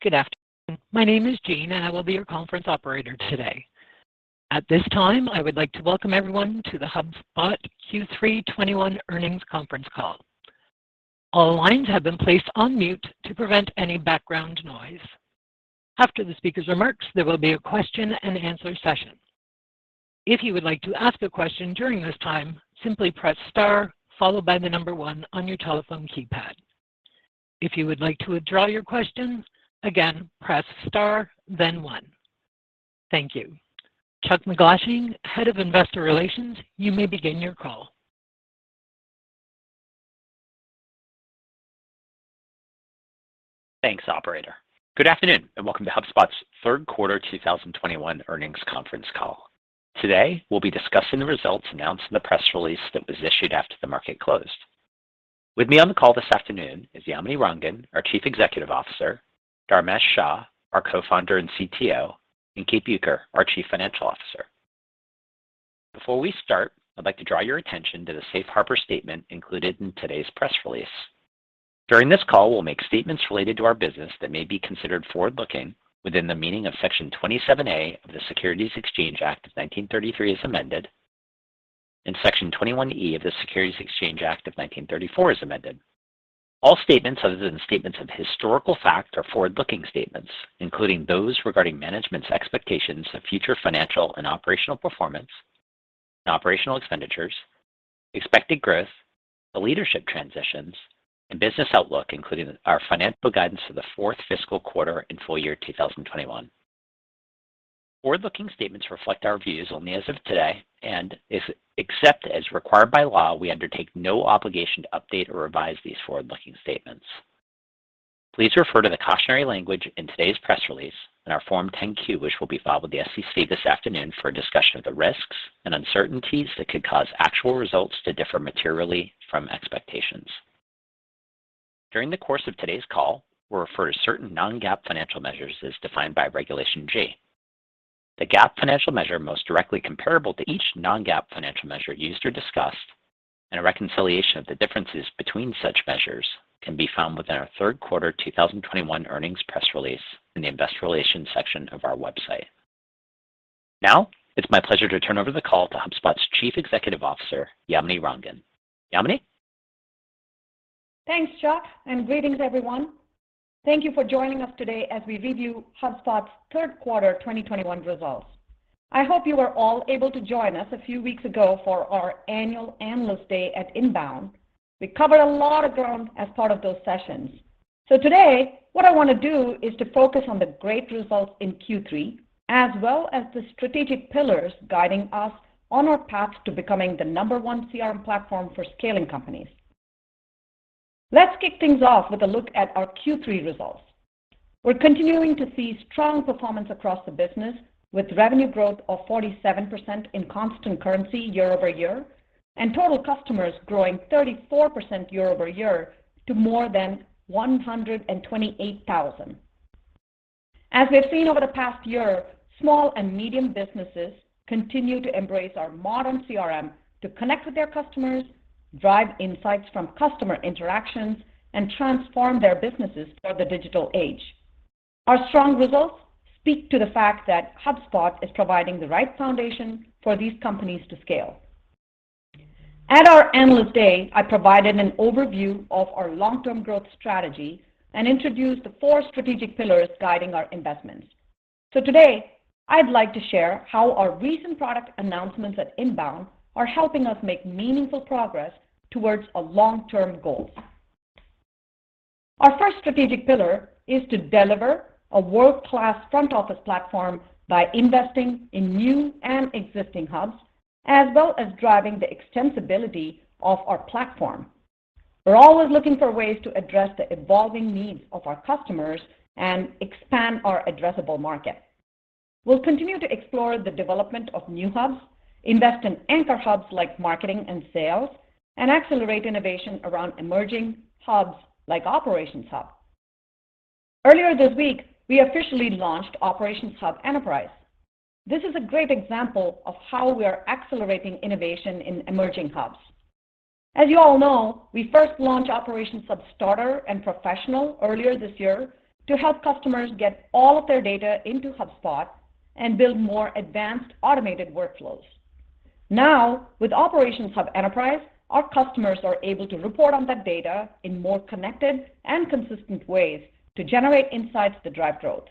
Good afternoon. My name is Jean, and I will be your conference operator today. At this time, I would like to welcome everyone to the HubSpot Q3 2021 Earnings Conference Call. All lines have been placed on mute to prevent any background noise. After the speaker's remarks, there will be a Q&A session. If you would like to ask a question during this time, simply press star followed by the number one on your telephone keypad. If you would like to withdraw your question, again, press star, then one. Thank you. Charles MacGlashing, Head of Investor Relations, you may begin your call. Thanks, operator. Good afternoon, and welcome to HubSpot's Third Quarter 2021 Earnings Conference Call. Today, we'll be discussing the results announced in the press release that was issued after the market closed. With me on the call this afternoon is Yamini Rangan, our Chief Executive Officer, Dharmesh Shah, our Co-founder and CTO, and Kate Bueker, our Chief Financial Officer. Before we start, I'd like to draw your attention to the safe harbor statement included in today's press release. During this call, we'll make statements related to our business that may be considered forward-looking within the meaning of Section 27A of the Securities Act of 1933 as amended and Section 21E of the Securities Exchange Act of 1934 as amended. All statements other than statements of historical fact are forward-looking statements, including those regarding management's expectations of future financial and operational performance, operational expenditures, expected growth, the leadership transitions, and business outlook, including our financial guidance for the fourth fiscal quarter and full year 2021. Forward-looking statements reflect our views only as of today, except as required by law, we undertake no obligation to update or revise these forward-looking statements. Please refer to the cautionary language in today's press release and our Form 10-Q, which will be filed with the SEC this afternoon for a discussion of the risks and uncertainties that could cause actual results to differ materially from expectations. During the course of today's call, we'll refer to certain non-GAAP financial measures as defined by Regulation G. The GAAP financial measure most directly comparable to each non-GAAP financial measure used or discussed and a reconciliation of the differences between such measures can be found within our third quarter 2021 earnings press release in the investor relations section of our website. Now, it's my pleasure to turn over the call to HubSpot's Chief Executive Officer, Yamini Rangan. Yamini? Thanks, Chuck, and greetings, everyone. Thank you for joining us today as we review HubSpot's third quarter 2021 results. I hope you were all able to join us a few weeks ago for our annual Analyst Day at INBOUND. We covered a lot of ground as part of those sessions. Today, what I want to do is to focus on the great results in Q3, as well as the strategic pillars guiding us on our path to becoming the number one CRM platform for scaling companies. Let's kick things off with a look at our Q3 results. We're continuing to see strong performance across the business with revenue growth of 47% in constant currency year-over-year and total customers growing 34% year-over-year to more than 128,000. As we've seen over the past year, small and medium businesses continue to embrace our modern CRM to connect with their customers, drive insights from customer interactions, and transform their businesses for the digital age. Our strong results speak to the fact that HubSpot is providing the right foundation for these companies to scale. At our Analyst Day, I provided an overview of our long-term growth strategy and introduced the four strategic pillars guiding our investments. Today, I'd like to share how our recent product announcements at INBOUND are helping us make meaningful progress towards our long-term goals. Our first strategic pillar is to deliver a world-class front-office platform by investing in new and existing hubs, as well as driving the extensibility of our platform. We're always looking for ways to address the evolving needs of our customers and expand our addressable market. We'll continue to explore the development of new hubs, invest in anchor hubs like Marketing and Sales, and accelerate innovation around emerging hubs like Operations Hub. Earlier this week, we officially launched Operations Hub Enterprise. This is a great example of how we are accelerating innovation in emerging hubs. As you all know, we first launched Operations Hub Starter and Professional earlier this year to help customers get all of their data into HubSpot and build more advanced automated workflows. Now, with Operations Hub Enterprise, our customers are able to report on that data in more connected and consistent ways to generate insights that drive growth.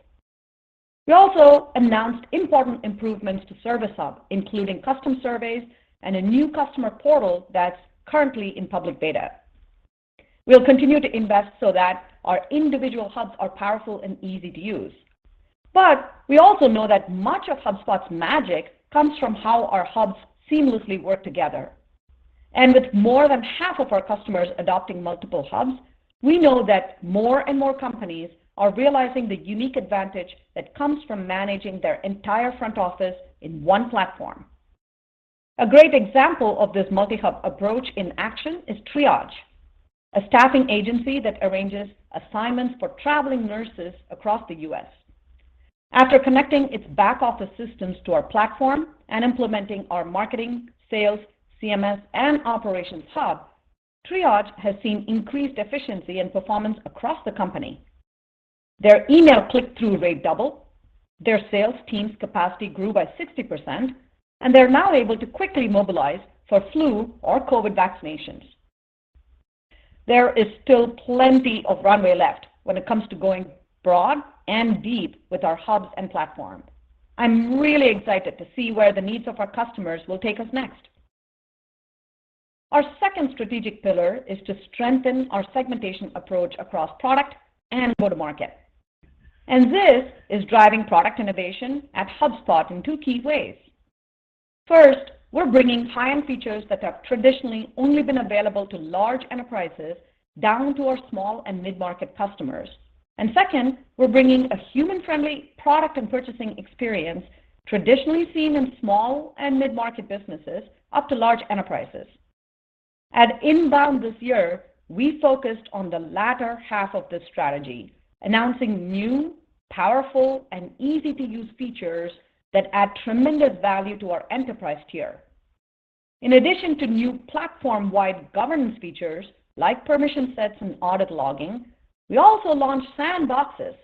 We also announced important improvements to Service Hub, including custom surveys and a new customer portal that's currently in public beta. We'll continue to invest so that our individual hubs are powerful and easy to use. We also know that much of HubSpot's magic comes from how our hubs seamlessly work together. With more than half of our customers adopting multiple hubs, we know that more and more companies are realizing the unique advantage that comes from managing their entire front office in one platform. A great example of this multi-hub approach in action is Triage, a staffing agency that arranges assignments for traveling nurses across the U.S. After connecting its back office systems to our platform and implementing our Marketing, Sales, CMS, and Operations Hub, Triage has seen increased efficiency and performance across the company. Their email click-through rate doubled, their sales team's capacity grew by 60%, and they're now able to quickly mobilize for flu or COVID vaccinations. There is still plenty of runway left when it comes to going broad and deep with our hubs and platform. I'm really excited to see where the needs of our customers will take us next. Our second strategic pillar is to strengthen our segmentation approach across product and go to market. This is driving product innovation at HubSpot in two-key ways. First, we're bringing high-end features that have traditionally only been available to large enterprises down to our small and mid-market customers. Second, we're bringing a human-friendly product and purchasing experience traditionally seen in small and mid-market businesses up to large enterprises. At INBOUND this year, we focused on the latter half of this strategy, announcing new, powerful, and easy-to-use features that add tremendous value to our enterprise tier. In addition to new platform-wide governance features like permission sets and audit logging, we also launched sandboxes,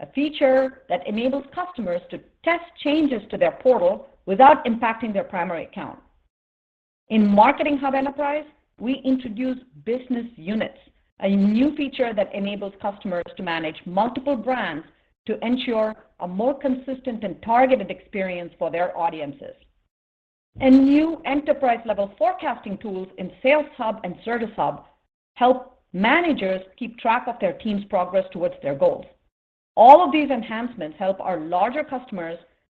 a feature that enables customers to test changes to their portal without impacting their primary account. In Marketing Hub Enterprise, we introduced business units, a new feature that enables customers to manage multiple brands to ensure a more consistent and targeted experience for their audiences. New enterprise-level forecasting tools in Sales Hub and Service Hub help managers keep track of their team's progress towards their goals. All of these enhancements help our larger customers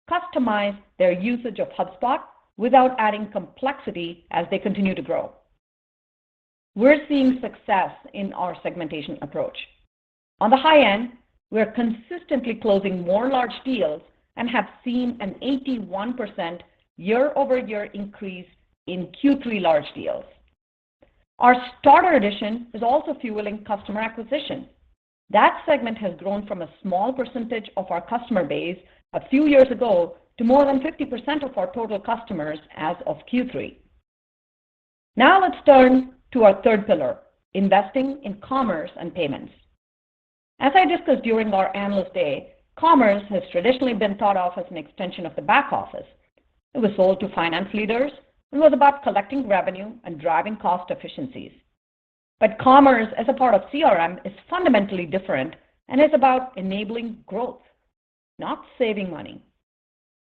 customize their usage of HubSpot without adding complexity as they continue to grow. We're seeing success in our segmentation approach. On the high end, we're consistently closing more large deals and have seen an 81% year-over-year increase in Q3 large deals. Our starter edition is also fueling customer acquisition. That segment has grown from a small percentage of our customer base a few years ago to more than 50% of our total customers as of Q3. Now let's turn to our third pillar, investing in commerce and payments. As I discussed during our Analyst Day, commerce has traditionally been thought of as an extension of the back office. It was sold to finance leaders. It was about collecting revenue and driving cost efficiencies. Commerce as a part of CRM is fundamentally different and is about enabling growth, not saving money.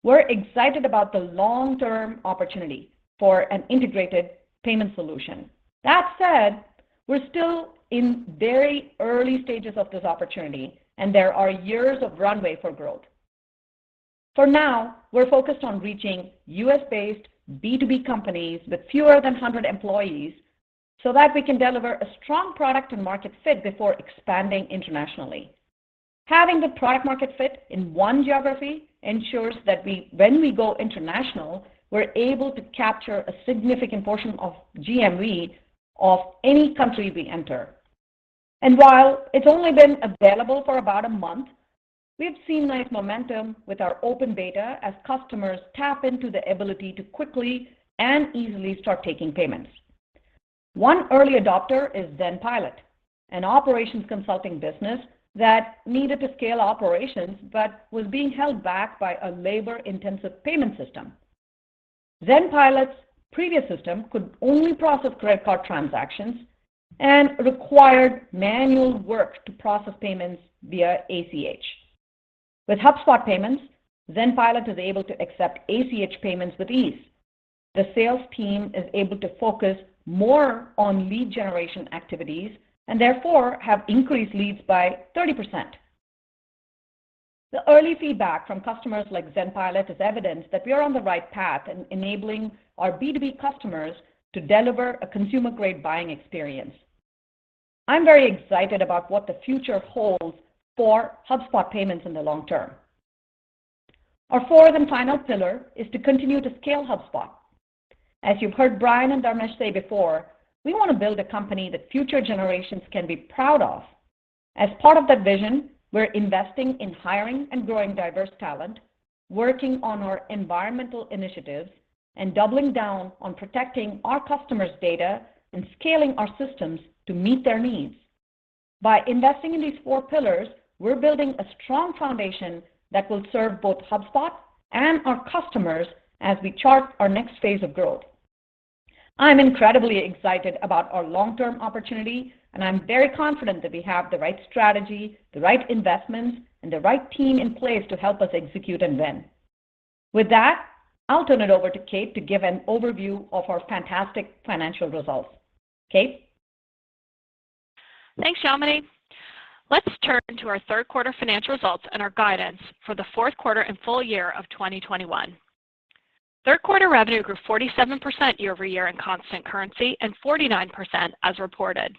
We're excited about the long-term opportunity for an integrated payment solution. That said, we're still in very early stages of this opportunity, and there are years of runway for growth. For now, we're focused on reaching U.S.-based B2B companies with fewer than 100 employees so that we can deliver a strong product and market fit before expanding internationally. Having the product market fit in one geography ensures that we, when we go international, we're able to capture a significant portion of GMV of any country we enter. While it's only been available for about a month, we've seen nice momentum with our open beta as customers tap into the ability to quickly and easily start taking payments. One early adopter is ZenPilot, an operations consulting business that needed to scale operations but was being held back by a labor-intensive payment system. ZenPilot's previous system could only process credit card transactions and required manual work to process payments via ACH. With HubSpot payments, ZenPilot is able to accept ACH payments with ease. The sales team is able to focus more on lead generation activities and therefore have increased leads by 30%. The early feedback from customers like ZenPilot is evidence that we are on the right path in enabling our B2B customers to deliver a consumer-grade buying experience. I'm very excited about what the future holds for HubSpot payments in the long term. Our fourth and final pillar is to continue to scale HubSpot. As you've heard Brian and Dharmesh say before, we want to build a company that future generations can be proud of. As part of that vision, we're investing in hiring and growing diverse talent, working on our environmental initiatives, and doubling down on protecting our customers' data and scaling our systems to meet their needs. By investing in these four pillars, we're building a strong foundation that will serve both HubSpot and our customers as we chart our next phase of growth. I'm incredibly excited about our long-term opportunity, and I'm very confident that we have the right strategy, the right investments, and the right team in place to help us execute and win. With that, I'll turn it over to Kate to give an overview of our fantastic financial results. Kate? Thanks, Yamini. Let's turn to our third quarter financial results and our guidance for the fourth quarter and full-year of 2021. Third quarter revenue grew 47% year-over-year in constant currency and 49% as reported.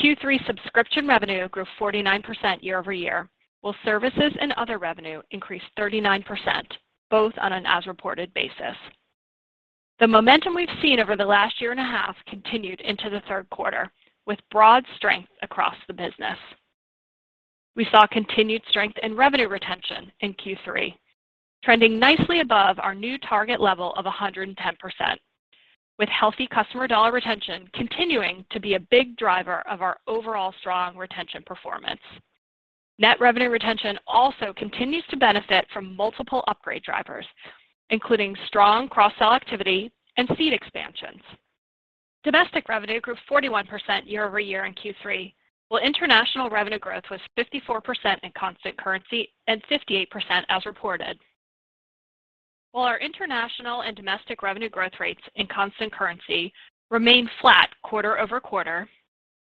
Q3 subscription revenue grew 49% year-over-year, while services and other revenue increased 39%, both on an as-reported basis. The momentum we've seen over the last year and a half continued into the third quarter with broad strength across the business. We saw continued strength in revenue retention in Q3, trending nicely above our new target level of 110%, with healthy customer dollar retention continuing to be a big driver of our overall strong retention performance. Net revenue retention also continues to benefit from multiple upgrade drivers, including strong cross-sell activity and seat expansions. Domestic revenue grew 41% year-over-year in Q3, while international revenue growth was 54% in constant currency and 58% as reported. While our international and domestic revenue growth rates in constant currency remained flat quarter-over-quarter,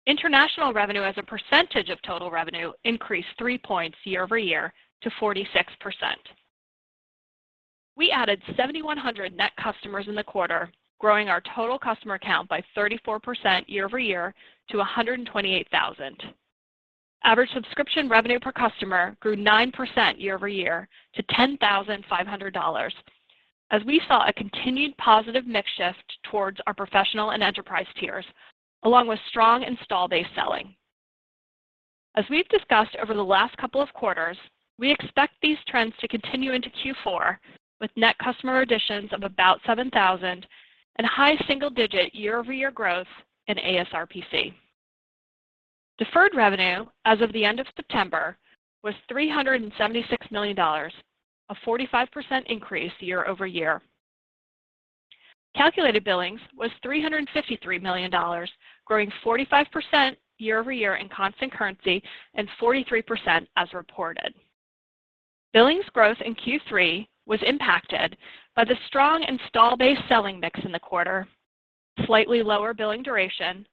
international revenue as a percentage of total revenue increased three points year-over-year to 46%. We added 7,100 net customers in the quarter, growing our total customer count by 34% year-over-year to 128,000. Average subscription revenue per customer grew 9% year-over-year to $10,500 as we saw a continued positive mix shift towards our professional and enterprise tiers along with strong install-based selling. As we've discussed over the last couple of quarters, we expect these trends to continue into Q4 with net customer additions of about 7,000 and high single-digit year-over-year growth in ASRPC. Deferred revenue as of the end of September was $376 million, a 45% increase year-over-year. Calculated billings was $353 million, growing 45% year-over-year in constant currency and 43% as reported. Billings growth in Q3 was impacted by the strong install-based selling mix in the quarter, slightly lower billing duration,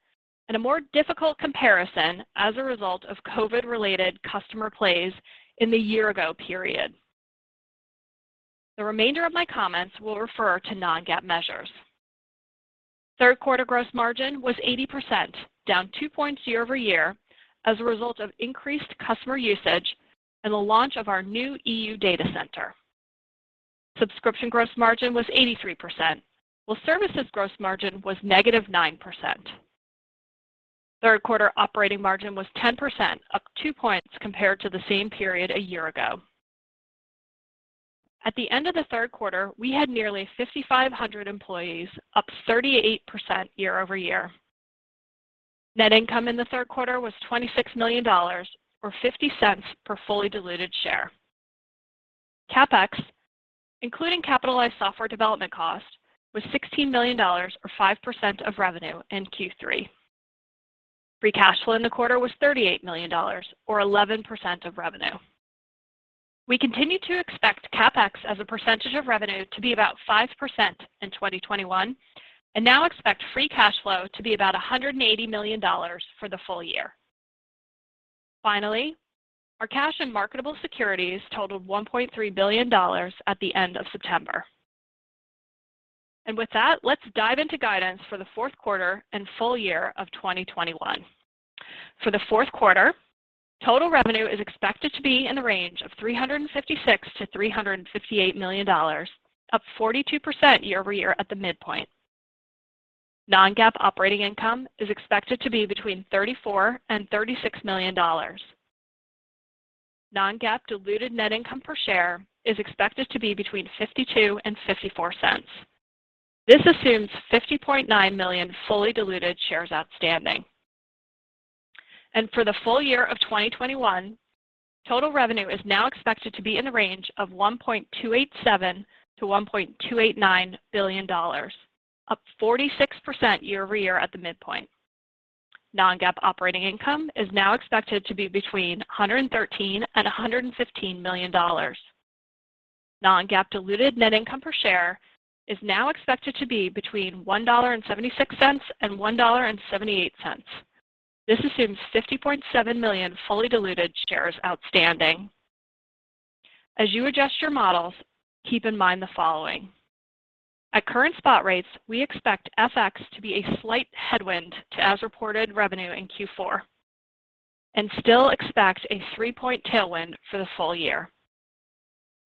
and a more difficult comparison as a result of COVID-related customer plays in the year ago period. The remainder of my comments will refer to non-GAAP measures. Third quarter gross margin was 80%, down 2 points year-over-year as a result of increased customer usage and the launch of our new EU data center. Subscription gross margin was 83%, while services gross margin was -9%. Third quarter operating margin was 10%, up 2 points compared to the same period a year ago. At the end of the third quarter, we had nearly 5,500 employees, up 38% year-over-year. Net income in the third quarter was $26 million, or $0.50 per fully diluted share. CapEx, including capitalized software development costs, was $16 million or 5% of revenue in Q3. Free cash flow in the quarter was $38 million, or 11% of revenue. We continue to expect CapEx as a percentage of revenue to be about 5% in 2021 and now expect free cash flow to be about $180 million for the full-year. Finally, our cash and marketable securities totaled $1.3 billion at the end of September. With that, let's dive into guidance for the fourth quarter and full-year of 2021. For the fourth quarter, total revenue is expected to be in the range of $356 million-$358 million, up 42% year-over-year at the midpoint. Non-GAAP operating income is expected to be between $34 million and $36 million. Non-GAAP diluted net income per share is expected to be between $0.52 and $0.54. This assumes 50.9 million fully diluted shares outstanding. For the full-year of 2021, total revenue is now expected to be in the range of $1.287 billion-$1.289 billion, up 46% year-over-year at the midpoint. Non-GAAP operating income is now expected to be between $113 million-$115 million. Non-GAAP diluted net income per share is now expected to be between $1.76 and $1.78. This assumes 50.7 million fully diluted shares outstanding. As you adjust your models, keep in mind the following. At current spot rates, we expect FX to be a slight headwind to as-reported revenue in Q4 and still expect a three-point tailwind for the full year.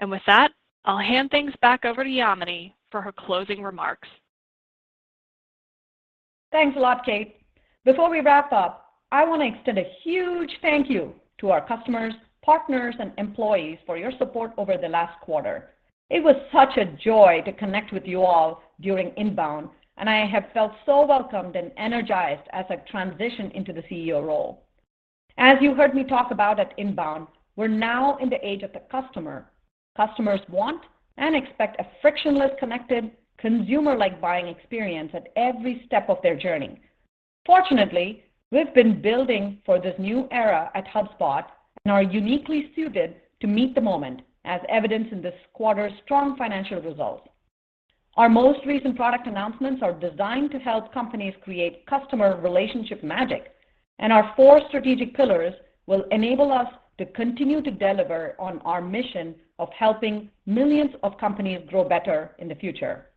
With that, I'll hand things back over to Yamini for her closing remarks. Thanks a lot, Kate. Before we wrap up, I want to extend a huge thank you to our customers, partners, and employees for your support over the last quarter. It was such a joy to connect with you all during INBOUND, and I have felt so welcomed and energized as I transition into the CEO role. As you heard me talk about at INBOUND, we're now in the age of the customer. Customers want and expect a frictionless, connected, consumer-like buying experience at every step of their journey. Fortunately, we've been building for this new era at HubSpot and are uniquely suited to meet the moment as evidenced in this quarter's strong financial results. Our most recent product announcements are designed to help companies create customer relationship magic, and our four strategic pillars will enable us to continue to deliver on our mission of helping millions of companies grow better in the future.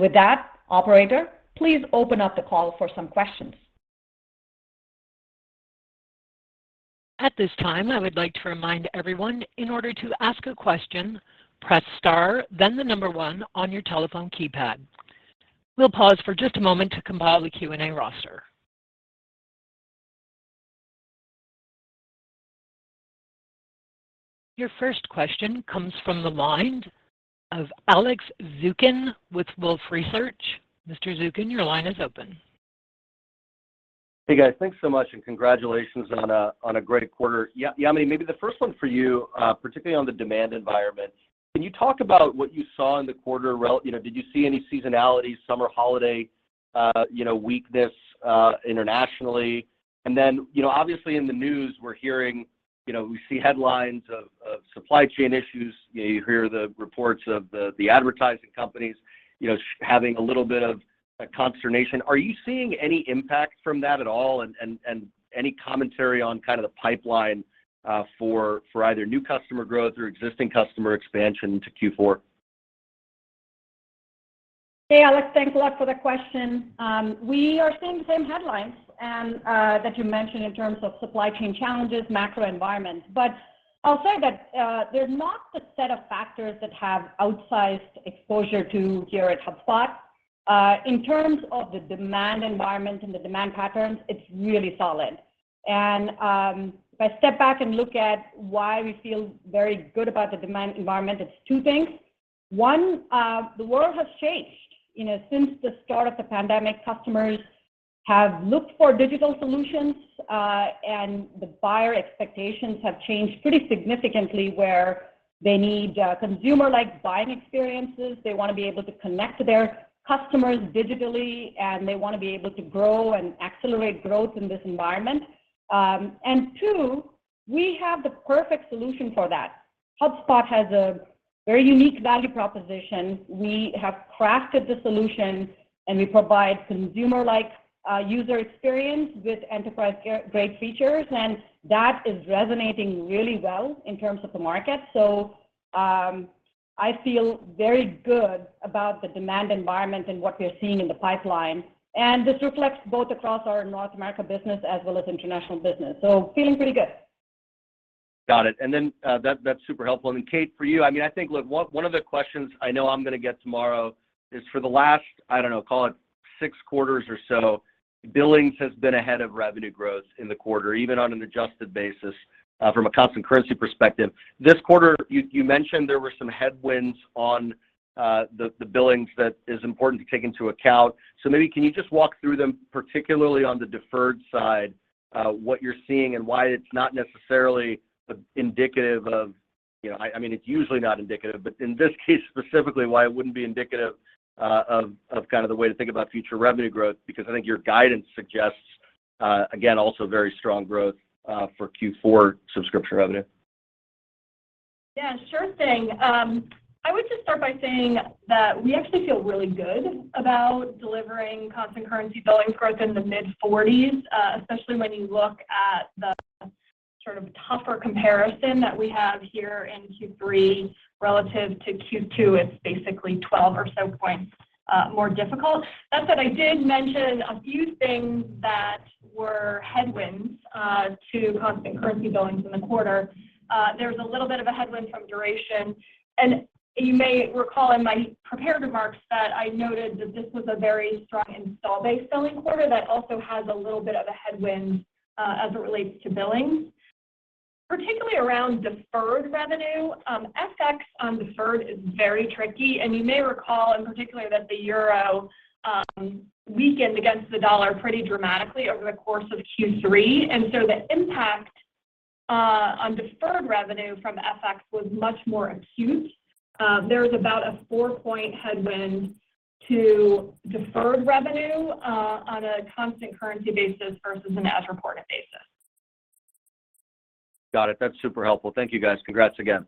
With that, operator, please open up the call for some questions. At this time, I would like to remind everyone, in order to ask a question, press star then the number one on your telephone keypad. We'll pause for just a moment to compile the Q&A roster. Your first question comes from the line of Alex Zukin with Wolfe Research. Mr. Zukin, your line is open. Hey, guys. Thanks so much, and congratulations on a great quarter. Yamini, maybe the first one for you, particularly on the demand environment. Can you talk about what you saw in the quarter, you know, did you see any seasonality, summer holiday, weakness, internationally? You know, obviously in the news we're hearing, you know, we see headlines of supply chain issues. You know, you hear the reports of the advertising companies, having a little bit of a consternation. Are you seeing any impact from that at all and any commentary on kind of the pipeline, for either new customer growth or existing customer expansion to Q4? Hey, Alex. Thanks a lot for the question. We are seeing the same headlines that you mentioned in terms of supply chain challenges, macro environments. I'll say that they're not the set of factors that have outsized exposure to here at HubSpot. In terms of the demand environment and the demand patterns, it's really solid. If I step back and look at why we feel very good about the demand environment, it's two things. One, the world has changed. You know, since the start of the pandemic, customers have looked for digital solutions and the buyer expectations have changed pretty significantly, where they need consumer-like buying experiences, they wanna be able to connect to their customers digitally, and they wanna be able to grow and accelerate growth in this environment. Two, we have the perfect solution for that. HubSpot has a very unique value proposition. We have crafted the solution, and we provide consumer-like user experience with enterprise-grade features, and that is resonating really well in terms of the market. I feel very good about the demand environment and what we're seeing in the pipeline. This reflects both across our North America business as well as international business, feeling pretty good. Got it. That's super helpful. Kate, for you, I mean, I think, look, one of the questions I know I'm gonna get tomorrow is for the last, I don't know, call it six quarters or so, billings has been ahead of revenue growth in the quarter, even on an adjusted basis, from a constant currency perspective. This quarter, you mentioned there were some headwinds on the billings that is important to take into account. Maybe can you just walk through them, particularly on the deferred side, what you're seeing and why it's not necessarily indicative of, you know? I mean, it's usually not indicative, but in this case specifically, why it wouldn't be indicative of kind of the way to think about future revenue growth, because I think your guidance suggests again, also very strong growth for Q4 subscription revenue? Yeah, sure thing. I would just start by saying that we actually feel really good about delivering constant currency billings growth in the mid-40s%, especially when you look at the sort of tougher comparison that we have here in Q3 relative to Q2. It's basically 12 or so points more difficult. That said, I did mention a few things that were headwinds to constant currency billings in the quarter. There's a little bit of a headwind from duration. You may recall in my prepared remarks that I noted that this was a very strong installed base billing quarter that also has a little bit of a headwind, as it relates to billings, particularly around deferred revenue. FX on deferred is very tricky, and you may recall in particular that the euro weakened against the dollar pretty dramatically over the course of Q3, and so the impact on deferred revenue from FX was much more acute. There is about a four-point headwind to deferred revenue on a constant currency basis versus an as-reported basis. Got it. That's super helpful. Thank you, guys. Congrats again.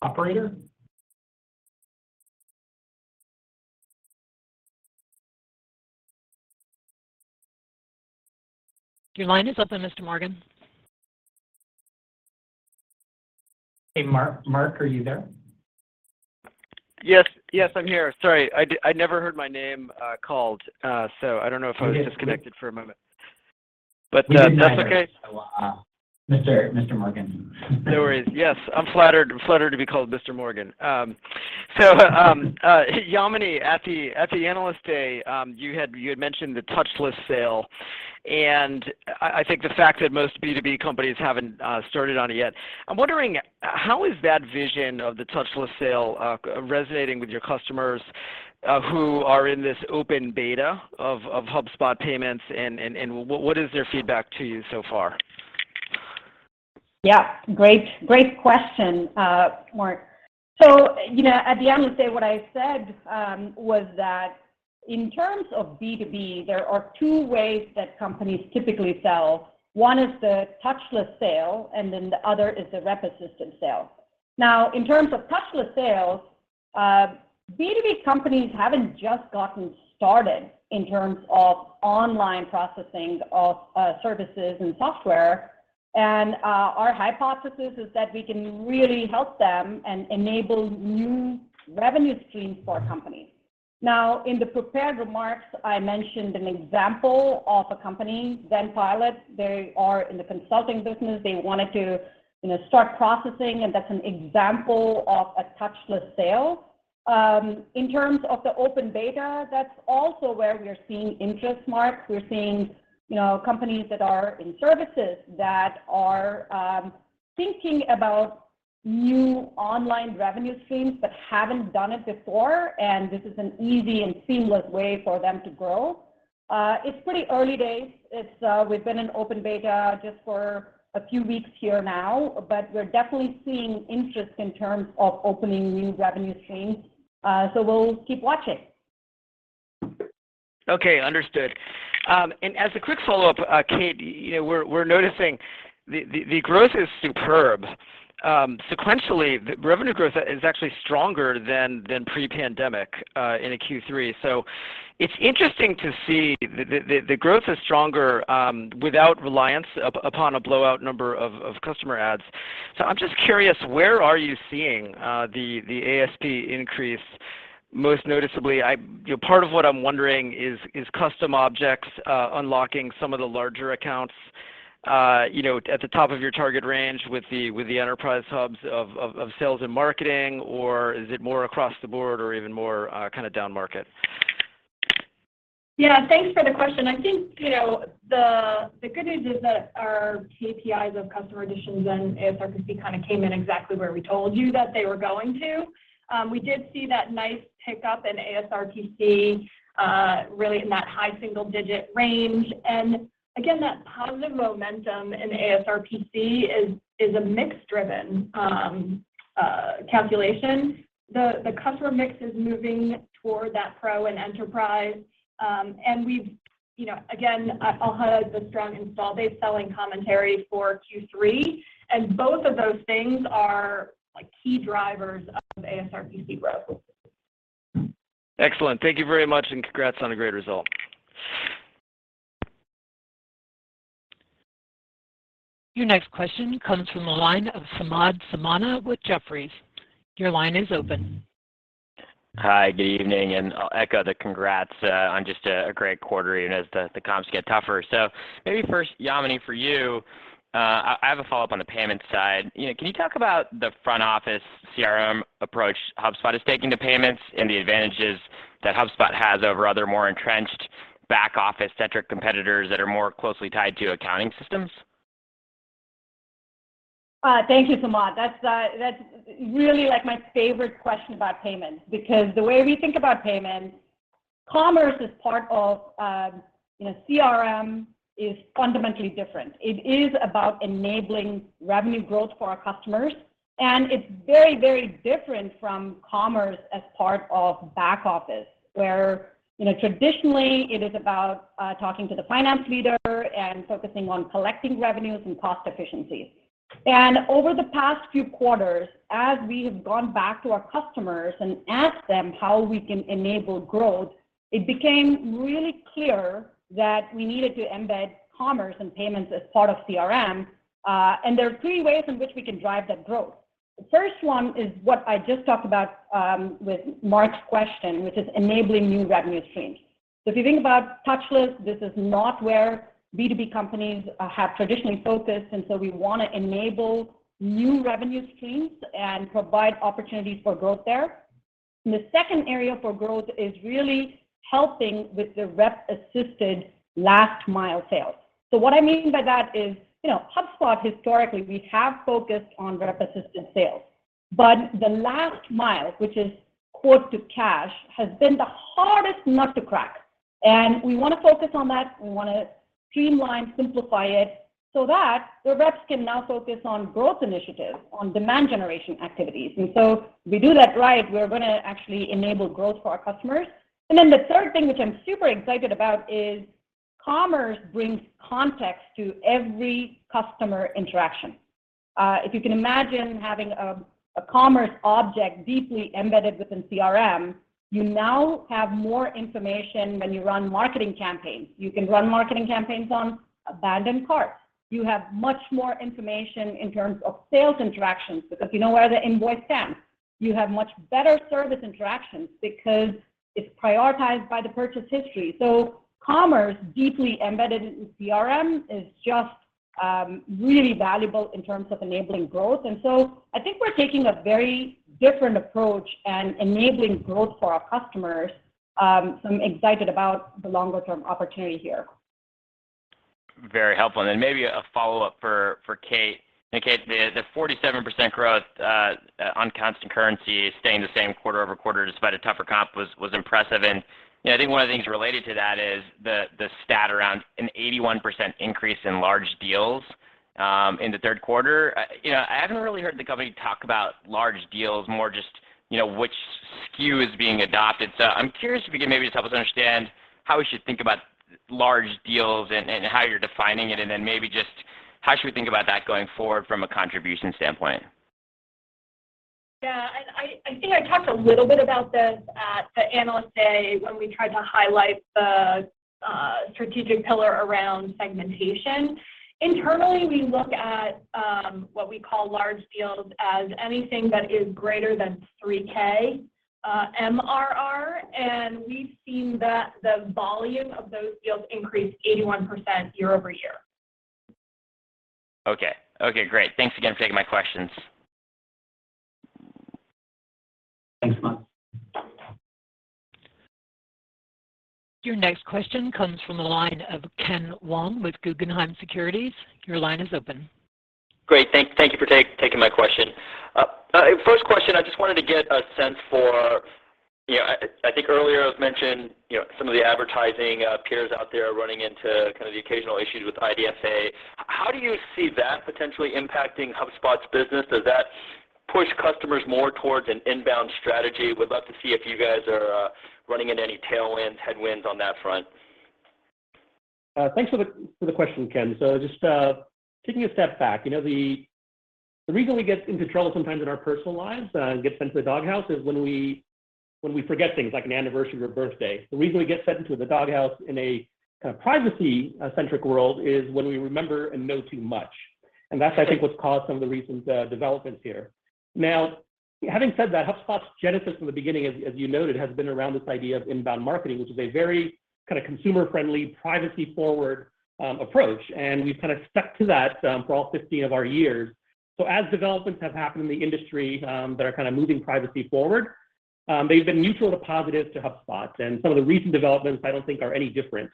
Operator? Your line is open, Mark Murphy. Hey, Mark. Mark, are you there? Yes. Yes, I'm here. Sorry, I never heard my name called, so I don't know if I was- We did. I was disconnected for a moment. That's okay. We did mention it a lot. Mr. Mark Murphy. No worries. Yes, I'm flattered to be called Mark Murphy. Yamini, at the Analyst Day, you had mentioned the touchless sale and I think the fact that most B2B companies haven't started on it yet. I'm wondering, how is that vision of the touchless sale resonating with your customers who are in this open beta of HubSpot Payments and what is their feedback to you so far? Yeah. Great question, Mark. So, you know, at the end of the day, what I said was that in terms of B2B, there are two ways that companies typically sell. One is the touchless sale, and then the other is the rep-assisted sale. Now, in terms of touchless sales, B2B companies haven't just gotten started in terms of online processing of services and software. Our hypothesis is that we can really help them and enable new revenue streams for our company. Now, in the prepared remarks, I mentioned an example of a company, ZenPilot. They are in the consulting business. They wanted to, you know, start processing, and that's an example of a touchless sale. In terms of the open beta, that's also where we are seeing interest, Mark. We're seeing, you know, companies that are in services that are thinking about new online revenue streams but haven't done it before, and this is an easy and seamless way for them to grow. It's pretty early days. We've been in open beta just for a few weeks here now, but we're definitely seeing interest in terms of opening new revenue streams. We'll keep watching. Okay, understood. As a quick follow-up, Kate, you know, we're noticing the growth is superb. Sequentially, the revenue growth is actually stronger than pre-pandemic into Q3. It's interesting to see the growth is stronger without reliance upon a blowout number of customer adds. I'm just curious, where are you seeing the ASRPC increase most noticeably? You know, part of what I'm wondering is custom objects unlocking some of the larger accounts, you know, at the top of your target range with the enterprise hubs of sales and marketing, or is it more across the board or even more kinda down market? Yeah, thanks for the question. I think, you know, the good news is that our KPIs of customer additions and ASRPC kind of came in exactly where we told you that they were going to. We did see that nice pickup in ASRPC, really in that high single-digit range. That positive momentum in ASRPC is a mix driven calculation. The customer mix is moving toward that pro and enterprise. We've, you know, again, I'll highlight the strong install base selling commentary for Q3, and both of those things are like key drivers of ASRPC growth. Excellent. Thank you very much, and congrats on a great result. Your next question comes from the line of Samad Samana with Jefferies. Your line is open. Hi, good evening, and I'll echo the congrats on just a great quarter even as the comps get tougher. Maybe first, Yamini, for you, I have a follow-up on the payment side. You know, can you talk about the front office CRM approach HubSpot is taking to payments and the advantages that HubSpot has over other more entrenched back office-centric competitors that are more closely tied to accounting systems? Thank you, Samad. That's really like my favorite question about payments because the way we think about payments, commerce as part of you know CRM is fundamentally different. It is about enabling revenue growth for our customers, and it's very, very different from commerce as part of back office, where you know traditionally it is about talking to the finance leader and focusing on collecting revenues and cost efficiencies. Over the past few quarters, as we have gone back to our customers and asked them how we can enable growth, it became really clear that we needed to embed commerce and payments as part of CRM, and there are three ways in which we can drive that growth. The first one is what I just talked about with Mark's question, which is enabling new revenue streams. If you think about touchless, this is not where B2B companies have traditionally focused, and we wanna enable new revenue streams and provide opportunities for growth there. The second area for growth is really helping with the rep-assisted last-mile sales. What I mean by that is, you know, HubSpot historically, we have focused on rep-assisted sales, but the last mile, which is quote to cash, has been the hardest nut to crack, and we wanna focus on that. We wanna streamline, simplify it so that the reps can now focus on growth initiatives, on demand generation activities. If we do that right, we're gonna actually enable growth for our customers. The third thing which I'm super excited about is commerce brings context to every customer interaction. If you can imagine having a commerce object deeply embedded within CRM, you now have more information when you run marketing campaigns. You can run marketing campaigns on abandoned carts. You have much more information in terms of sales interactions because you know where the invoice stands. You have much better service interactions because it's prioritized by the purchase history. Commerce deeply embedded in CRM is just really valuable in terms of enabling growth. I think we're taking a very different approach and enabling growth for our customers, so I'm excited about the longer-term opportunity here. Very helpful. Maybe a follow-up for Kate. Kate, the 47% growth on constant currency staying the same quarter-over-quarter despite a tougher comp was impressive. You know, I think one of the things related to that is the stat around an 81% increase in large deals in the third quarter. You know, I haven't really heard the company talk about large deals, more just which SKU is being adopted. I'm curious if you could maybe just help us understand how we should think about large deals and how you're defining it and then maybe just how should we think about that going forward from a contribution standpoint? Yeah. I think I talked a little bit about this at the Analyst Day when we tried to highlight the strategic pillar around segmentation. Internally, we look at what we call large deals as anything that is greater than 3K MRR, and we've seen that the volume of those deals increased 81% year-over-year. Okay. Okay, great. Thanks again for taking my questions. Thanks. Your next question comes from the line of Ken Wong with Guggenheim Securities. Your line is open. Great. Thank you for taking my question. First question, I just wanted to get a sense for. You know, I think earlier it was mentioned, some of the advertising peers out there are running into kind of the occasional issues with IDFA. How do you see that potentially impacting HubSpot's business? Does that push customers more towards an INBOUND strategy? Would love to see if you guys are running into any tailwinds, headwinds on that front. Thanks for the question, Ken. Just taking a step back, you know, the reason we get into trouble sometimes in our personal lives and get sent to the doghouse is when we forget things like an anniversary or birthday. The reason we get sent into the doghouse in a kind of privacy-centric world is when we remember and know too much, and that's I think what's caused some of the recent developments here. Now, having said that, HubSpot's genesis from the beginning, as you noted, has been around this idea of inbound marketing, which is a very kind of consumer-friendly, privacy-forward approach, and we've kind of stuck to that for all 15 of our years. As developments have happened in the industry that are kind of moving privacy forward, they've been neutral to positive to HubSpot, and some of the recent developments I don't think are any different.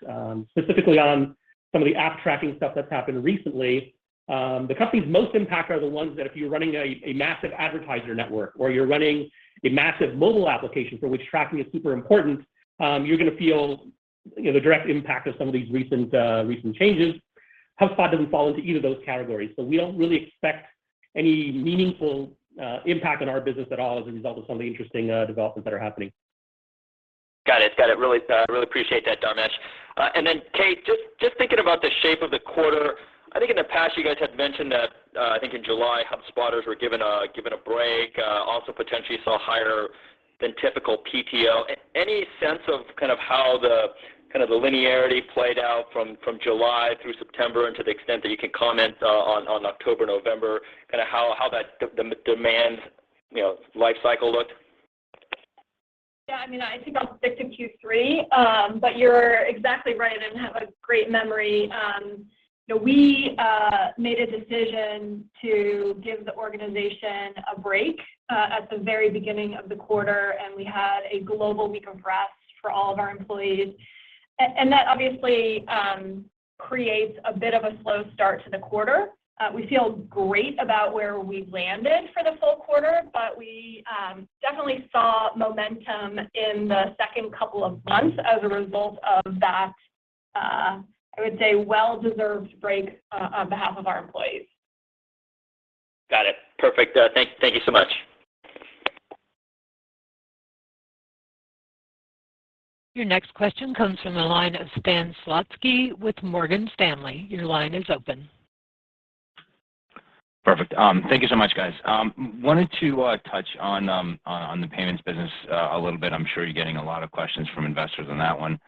Specifically on some of the app tracking stuff that's happened recently, the companies most impacted are the ones that if you're running a massive advertiser network or you're running a massive mobile application for which tracking is super important, you're gonna feel the direct impact of some of these recent changes. HubSpot doesn't fall into either of those categories, so we don't really expect any meaningful impact on our business at all as a result of some of the interesting developments that are happening. Got it. Really appreciate that, Dharmesh. Then Kate, just thinking about the shape of the quarter, I think in the past you guys had mentioned that, I think in July, HubSpotters were given a break, also potentially saw higher than typical PTO. Any sense of how the linearity played out from July through September and to the extent that you can comment on October, November, how that demand life cycle looked? Yeah, I mean, I think I'll stick to Q3, but you're exactly right and have a great memory. You know, we made a decision to give the organization a break at the very beginning of the quarter, and we had a global week of rest for all of our employees. That obviously creates a bit of a slow start to the quarter. We feel great about where we've landed for the full-quarter, but we definitely saw momentum in the second couple of months as a result of that, I would say well-deserved break on behalf of our employees. Got it. Perfect. Thank you so much. Your next question comes from the line of Stan Zlotsky with Morgan Stanley. Your line is open. Perfect. Thank you so much, guys. Wanted to touch on the payments business a little bit. I'm sure you're getting a lot of questions from investors on that one.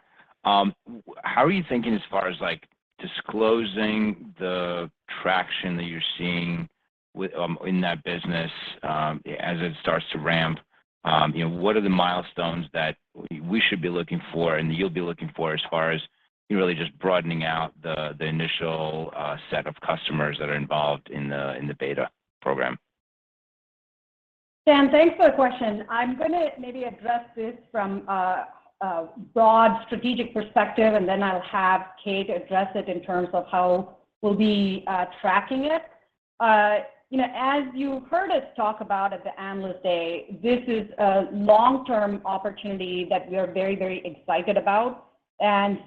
How are you thinking as far as, like, disclosing the traction that you're seeing with in that business, as it starts to ramp? What are the milestones that we should be looking for and you'll be looking for as far as you really just broadening out the initial set of customers that are involved in the beta program? Stan Zlotsky, thanks for the question. I'm gonna maybe address this from a broad strategic perspective, and then I'll have Kate Bueker address it in terms of how we'll be tracking it. You know, as you heard us talk about at the Analyst Day, this is a long-term opportunity that we are very, very excited about.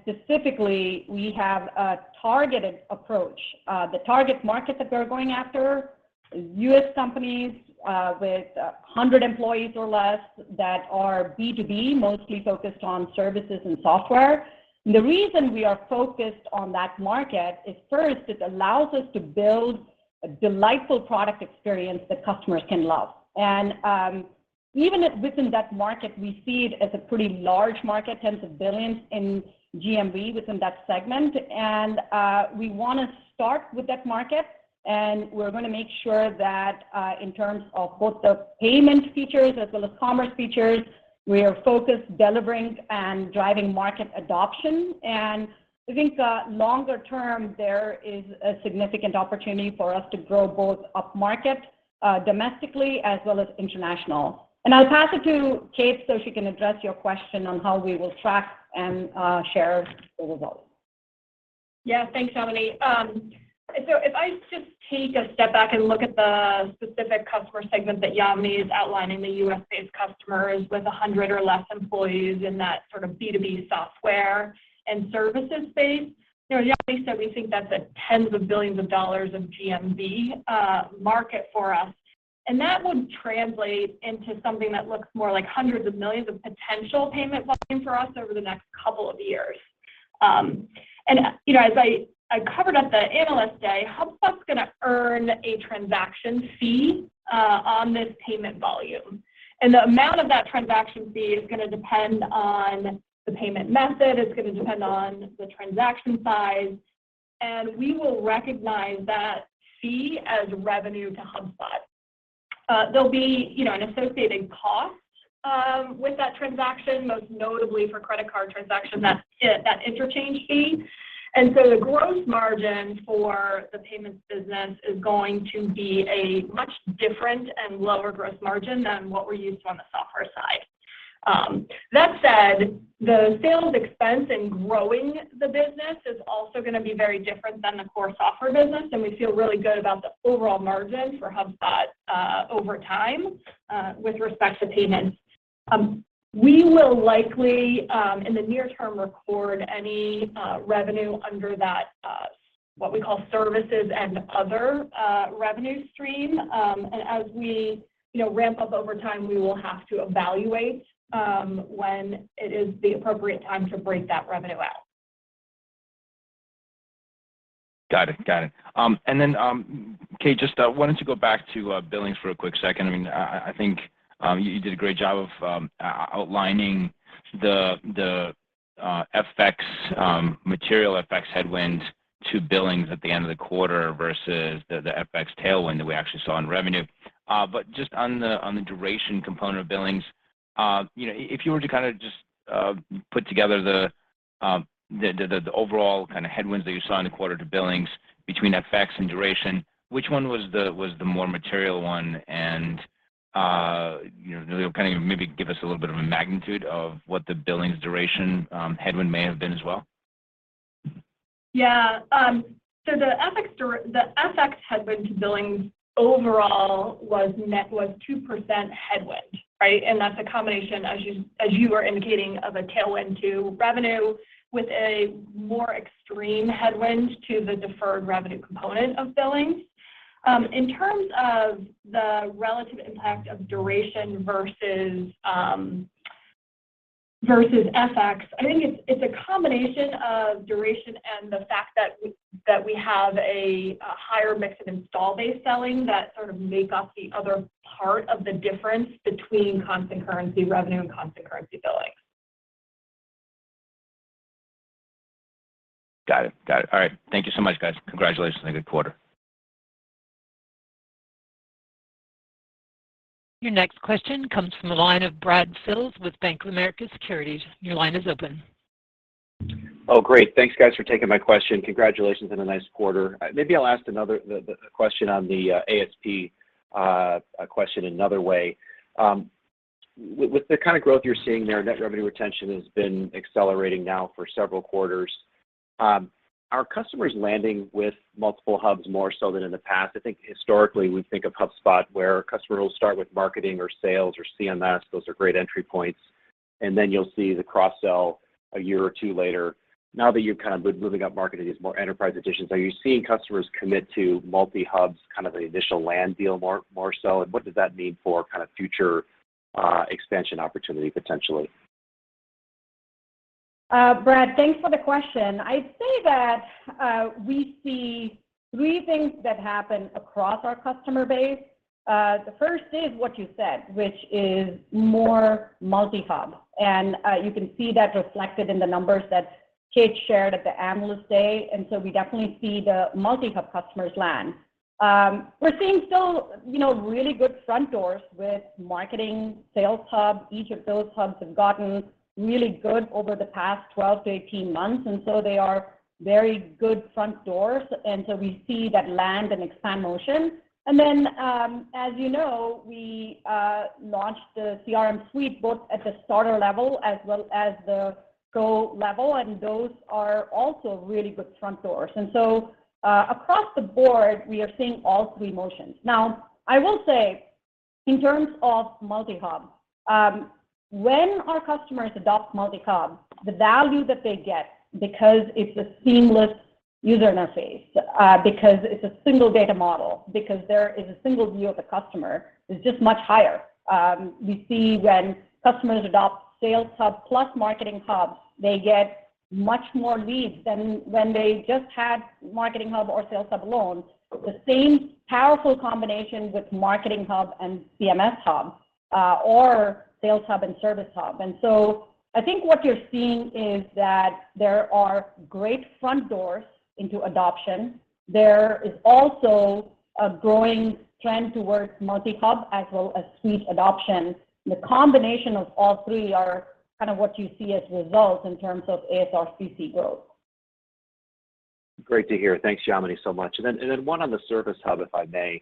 Specifically, we have a targeted approach. The target market that we are going after is U.S. companies with 100 employees or less that are B2B, mostly focused on services and software. The reason we are focused on that market is first, it allows us to build a delightful product experience that customers can love. Even within that market, we see it as a pretty large market, $10s of billions in GMV within that segment. We wanna start with that market, and we're gonna make sure that, in terms of both the payment features as well as commerce features, we are focused delivering and driving market adoption. I think, longer term, there is a significant opportunity for us to grow both up-market, domestically as well as international. I'll pass it to Kate so she can address your question on how we will track and, share the results. Yeah. Thanks, Yamini. So if I just take a step back and look at the specific customer segment that Yamini is outlining, the U.S.-based customers with 100 or less employees in that sort of B2B software and services space, Yamini said we think that's tens of billions of dollars of GMV, market for us. That would translate into something that looks more like hundreds of millions of potential payment volume for us over the next couple of years. You know, as I covered at the Analyst Day, HubSpot's gonna earn a transaction fee on this payment volume. The amount of that transaction fee is gonna depend on the payment method, it's gonna depend on the transaction size, and we will recognize that fee as revenue to HubSpot. There'll be an associated cost, with that transaction, most notably for credit card transaction, that interchange fee. The gross margin for the payments business is going to be a much different and lower gross margin than what we're used to on the software side. That said, the sales expense in growing the business is also gonna be very different than the core software business, and we feel really good about the overall margin for HubSpot, over time, with respect to payments. We will likely, in the near term, record any, revenue under that, what we call services and other, revenue stream. As we ramp up over time, we will have to evaluate, when it is the appropriate time to break that revenue out. Got it. Kate, just why don't you go back to billings for a quick second. I mean, I think you did a great job of outlining the FX material FX headwind to billings at the end of the quarter versus the FX tailwind that we actually saw in revenue. But just on the duration component of billings, you know, if you were to kinda just put together the overall kinda headwinds that you saw in the quarter to billings between FX and duration, which one was the more material one? You know, kind of maybe give us a little bit of a magnitude of what the billings duration headwind may have been as well. Yeah. So the FX headwind to billings overall was net 2% headwind, right? That's a combination, as you were indicating, of a tailwind to revenue with a more extreme headwind to the deferred revenue component of billings. In terms of the relative impact of duration versus FX, I think it's a combination of duration and the fact that we have a higher mix of installment-based selling that sort of make up the other part of the difference between constant currency revenue and constant currency billings. Got it. Got it. All right. Thank you so much, guys. Congratulations on a good quarter. Your next question comes from the line of Brad Sills with Bank of America Securities. Your line is open. Oh, great. Thanks, guys, for taking my question. Congratulations on a nice quarter. Maybe I'll ask the question on the ASP another way. With the kind of growth you're seeing there, net revenue retention has been accelerating now for several quarters. Are customers landing with multiple hubs more so than in the past? I think historically, we think of HubSpot where a customer will start with Marketing or Sales or CMS, those are great entry points, and then you'll see the cross-sell a year or two later. Now that you're kind of moving up market into these more enterprise editions, are you seeing customers commit to multi-hubs, kind of the initial land deal more so? What does that mean for kind of future expansion opportunity potentially? Brad, thanks for the question. I'd say that we see three things that happen across our customer base. The first is what you said, which is more multi-hub. You can see that reflected in the numbers that Kate shared at the Analyst Day. We definitely see the multi-hub customers land. We're seeing still, you know, really good front doors with Marketing Hub, Sales Hub. Each of those hubs have gotten really good over the past 12-18 months, and they are very good front doors. We see that land and expand motion. As you know, we launched the CRM Suite both at the Starter level as well as the Pro level, and those are also really good front doors. Across the board, we are seeing all three motions. Now, I will say in terms of multi-hub, when our customers adopt multi-hub, the value that they get, because it's a seamless user interface, because it's a single data model, because there is a single view of the customer, is just much higher. We see when customers adopt Sales Hub plus Marketing Hub, they get much more leads than when they just had Marketing Hub or Sales Hub alone. The same powerful combination with Marketing Hub and CMS Hub, or Sales Hub and Service Hub. I think what you're seeing is that there are great front doors into adoption. There is also a growing trend towards multi-hub as well as suite adoption. The combination of all three are kind of what you see as results in terms of ASRPC growth. Great to hear. Thanks, Yamini, so much. Then one on the Service Hub, if I may.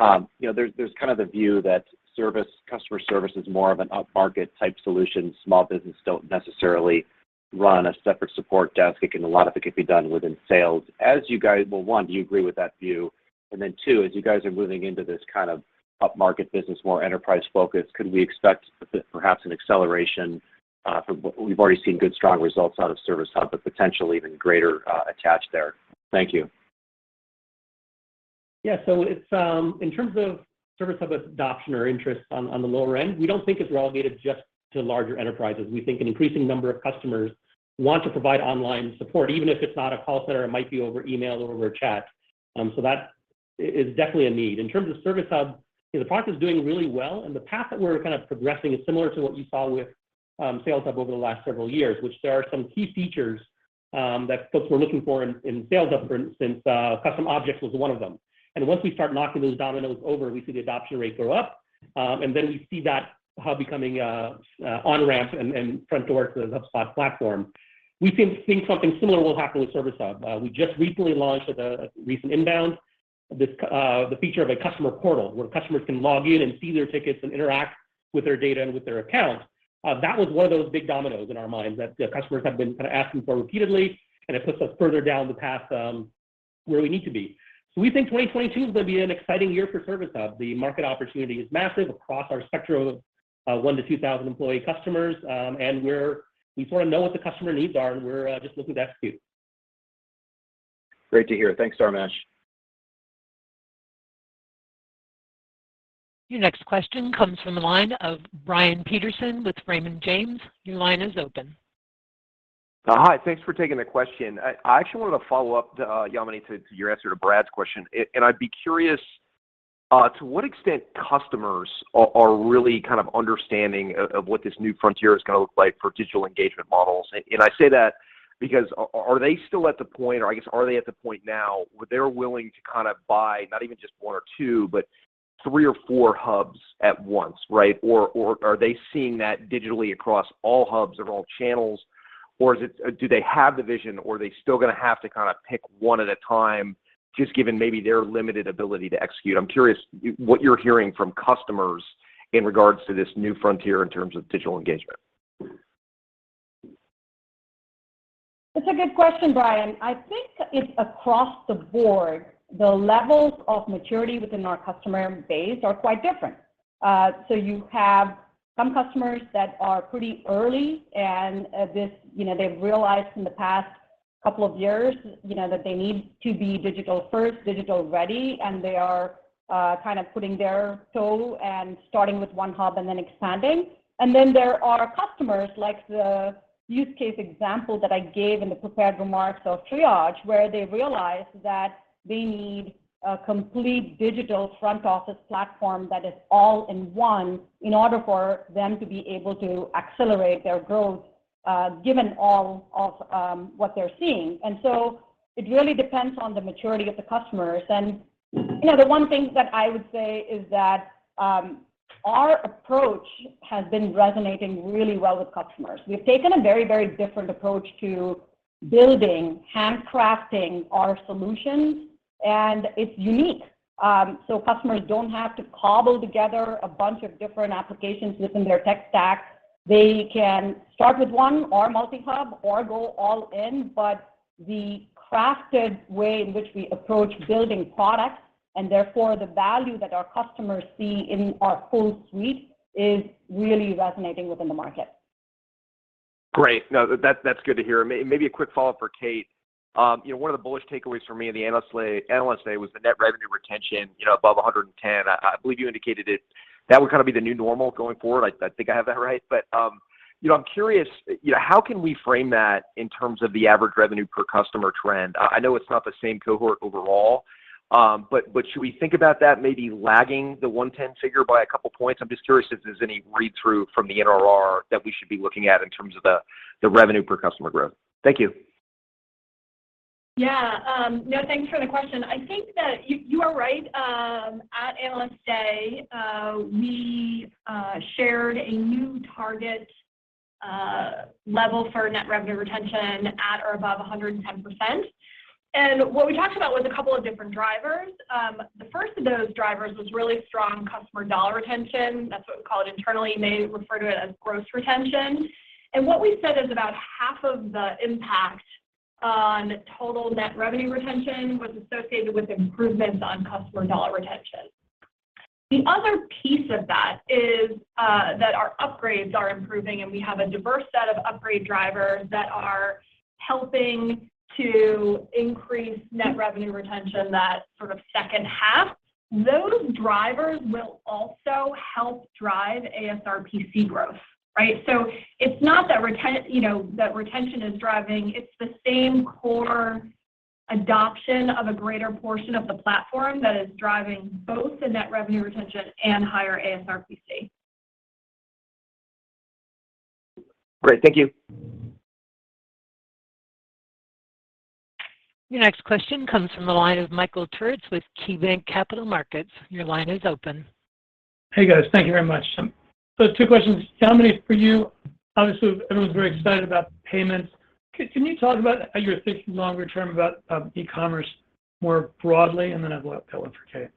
You know, there's kind of the view that service, customer service is more of an up-market type solution. Small business don't necessarily run a separate support desk. A lot of it can be done within sales. Well, one, do you agree with that view? Then two, as you guys are moving into this kind of up-market business, more enterprise focus, could we expect perhaps an acceleration. We've already seen good strong results out of Service Hub, but potentially even greater attach there. Thank you. Yeah. It's in terms of Service Hub adoption or interest on the lower end, we don't think it's relegated just to larger enterprises. We think an increasing number of customers want to provide online support, even if it's not a call center, it might be over email or over chat. That is definitely a need. In terms of Service Hub, the product is doing really well, and the path that we're kind of progressing is similar to what you saw with Sales Hub over the last several years, which there are some key features that folks were looking for in Sales Hub, for instance, custom objects was one of them. Once we start knocking those dominoes over, we see the adoption rate go up. We see that hub becoming a on-ramp and front door to the HubSpot platform. We think something similar will happen with Service Hub. We just recently launched at the recent INBOUND, the feature of a customer portal where customers can log in and see their tickets and interact with their data and with their accounts. That was one of those big dominoes in our minds that customers have been kinda asking for repeatedly, and it puts us further down the path where we need to be. We think 2022 is gonna be an exciting year for Service Hub. The market opportunity is massive across our spectrum of 1-2,000 employee customers. We sort of know what the customer needs are and we're just looking to execute. Great to hear. Thanks, Dharmesh. Your next question comes from the line of Brian Peterson with Raymond James. Your line is open. Hi. Thanks for taking the question. I actually wanted to follow-up, Yamini, to your answer to Brad's question. I'd be curious to what extent customers are really kind of understanding of what this new frontier is gonna look like for digital engagement models. I say that because, are they still at the point or I guess are they at the point now where they're willing to kinda buy not even just one or two, but three or four hubs at once, right? Or are they seeing that digitally across all hubs or all channels? Or is it—do they have the vision or are they still gonna have to kinda pick one at a time just given maybe their limited ability to execute? I'm curious what you're hearing from customers in regards to this new frontier in terms of digital engagement. It's a good question, Brian. I think it's across the board, the levels of maturity within our customer base are quite different. You have some customers that are pretty early, and this, you know, they've realized in the past couple of years, you know, that they need to be digital first, digital ready, and they are kind of putting their toe and starting with one hub and then expanding. There are customers like the use case example that I gave in the prepared remarks of Triage, where they realized that they need a complete digital front office platform that is all-in-one in order for them to be able to accelerate their growth, given all of what they're seeing. It really depends on the maturity of the customers. You know, the one thing that I would say is that our approach has been resonating really well with customers. We've taken a very, very different approach to building, handcrafting our solutions, and it's unique. Customers don't have to cobble together a bunch of different applications within their tech stack. They can start with one or multi-hub or go all in, but the crafted way in which we approach building products, and therefore the value that our customers see in our full-suite is really resonating within the market. Great. No, that's good to hear. Maybe a quick follow-up for Kate. You know, one of the bullish takeaways for me in the Analyst Day was the net revenue retention, you know, above 110. I believe you indicated it. That would kinda be the new normal going forward. I think I have that right. You know, I'm curious, you know, how can we frame that in terms of the average revenue per customer trend? I know it's not the same cohort overall, but should we think about that maybe lagging the 110 figure by a couple points? I'm just curious if there's any read-through from the NRR that we should be looking at in terms of the revenue per customer growth? Thank you. Yeah. No, thanks for the question. I think that you are right. At Analyst Day, we shared a new target level for net revenue retention at or above 110%. What we talked about was a couple of different drivers. The first of those drivers was really strong customer dollar retention. That's what we call it internally. You may refer to it as gross retention. What we said is about half of the impact on total net revenue retention was associated with improvements on customer dollar retention. The other piece of that is that our upgrades are improving, and we have a diverse set of upgrade drivers that are helping to increase net revenue retention, that sort of second half. Those drivers will also help drive ASRPC growth, right? It's not that, you know, retention is driving. It's the same core adoption of a greater portion of the platform that is driving both the net revenue retention and higher ASRPC. Great. Thank you. Your next question comes from the line of Michael Turits with KeyBanc Capital Markets. Your line is open. Hey, guys. Thank you very much. Two questions. Yamini, for you, obviously, everyone's very excited about payments. Can you talk about how you're thinking longer term about e-commerce more broadly? I've got one for Kate.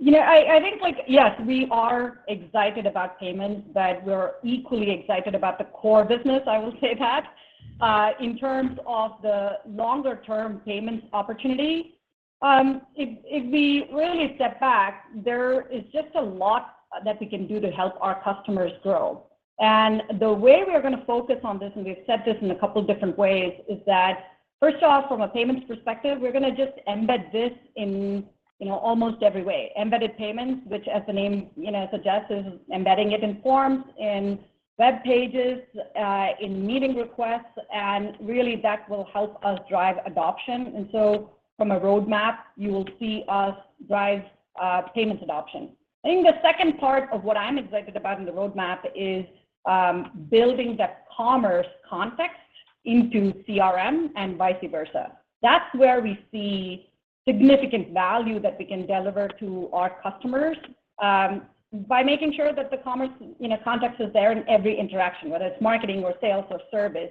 You know, I think, like, yes, we are excited about payments, but we're equally excited about the core business, I will say that. In terms of the longer term payments opportunity, if we really step back, there is just a lot that we can do to help our customers grow. The way we are gonna focus on this, and we've said this in a couple different ways, is that first off, from a payments perspective, we're gonna just embed this in almost every way. Embedded payments, which as the name, you know, suggests, is embedding it in forms, in web pages, in meeting requests, and really that will help us drive adoption. From a roadmap, you will see us drive payments adoption. I think the second part of what I'm excited about in the roadmap is building that commerce context into CRM and vice versa. That's where we see significant value that we can deliver to our customers by making sure that the commerce context is there in every interaction, whether it's marketing or sales or service.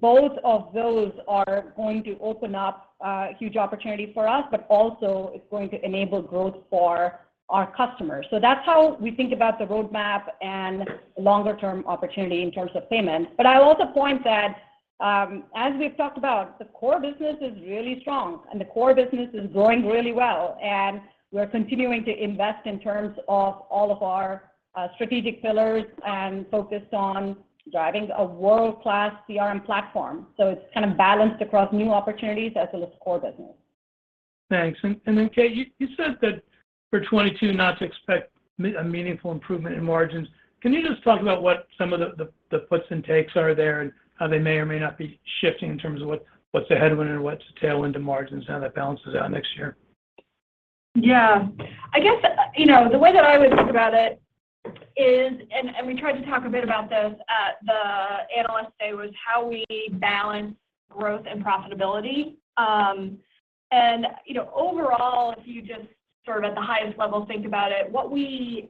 Both of those are going to open up a huge opportunity for us, but also it's going to enable growth for our customers. That's how we think about the roadmap and longer term opportunity in terms of payments. I will also point that, as we've talked about, the core business is really strong and the core business is growing really well. We're continuing to invest in terms of all of our strategic pillars and focused on driving a world-class CRM platform. It's kind of balanced across new opportunities as well as core business. Thanks. Then Kate, you said that for 2022 not to expect a meaningful improvement in margins. Can you just talk about what some of the puts and takes are there and how they may or may not be shifting in terms of what's the headwind, and what's the tailwind to margins, how that balances out next year? Yeah. I guess, you know, the way that I would think about it is, and we tried to talk a bit about this at the Analyst Day, was how we balance growth and profitability. You know, overall, if you just sort of at the highest level think about it, what we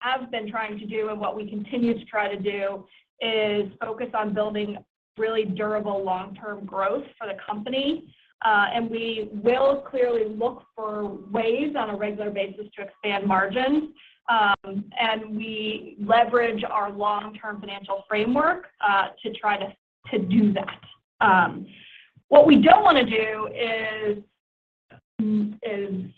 have been trying to do and what we continue to try to do is focus on building really durable long-term growth for the company. We will clearly look for ways on a regular basis to expand margins, and we leverage our long-term financial framework to try to do that. What we don't wanna do is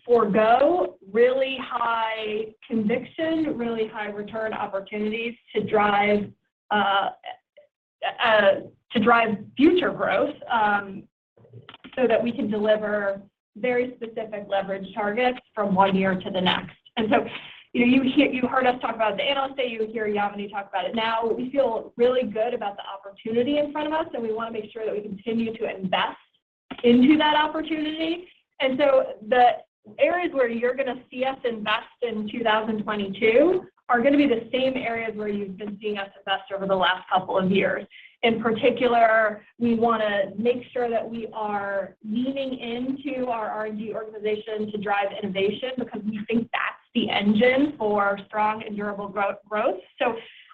forego really high conviction, really high return opportunities to drive future growth, so that we can deliver very specific leverage targets from one year to the next. You know, you heard us talk about it at the Analyst Day, you hear Yamini talk about it now. We feel really good about the opportunity in front of us, and we wanna make sure that we continue to invest into that opportunity. The areas where you're gonna see us invest in 2022 are gonna be the same areas where you've been seeing us invest over the last couple of years. In particular, we wanna make sure that we are leaning into our R&D organization to drive innovation because we think that's the engine for strong and durable growth.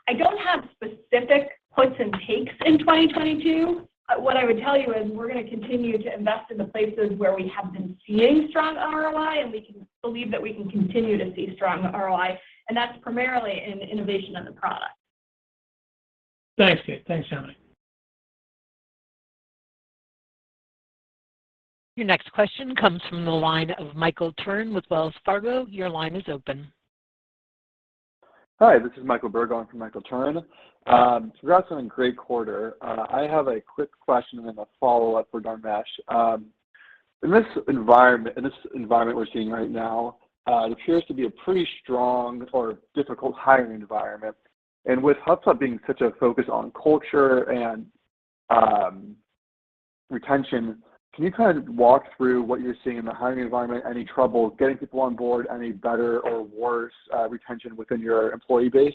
I don't have specific puts and takes in 2022. What I would tell you is we're gonna continue to invest in the places where we have been seeing strong ROI, and we can believe that we can continue to see strong ROI, and that's primarily in innovation of the product. Thanks, Kate. Thanks, Yamini. Your next question comes from the line of Michael Turrin with Wells Fargo. Your line is open. Hi, this is Michael Berg for Michael Turrin. Congrats on a great quarter. I have a quick question and then a follow-up for Dharmesh. In this environment we're seeing right now, there appears to be a pretty strong or difficult hiring environment. With HubSpot being such a focus on culture and retention, can you kind of walk through what you're seeing in the hiring environment? Any trouble getting people on board? Any better or worse retention within your employee base?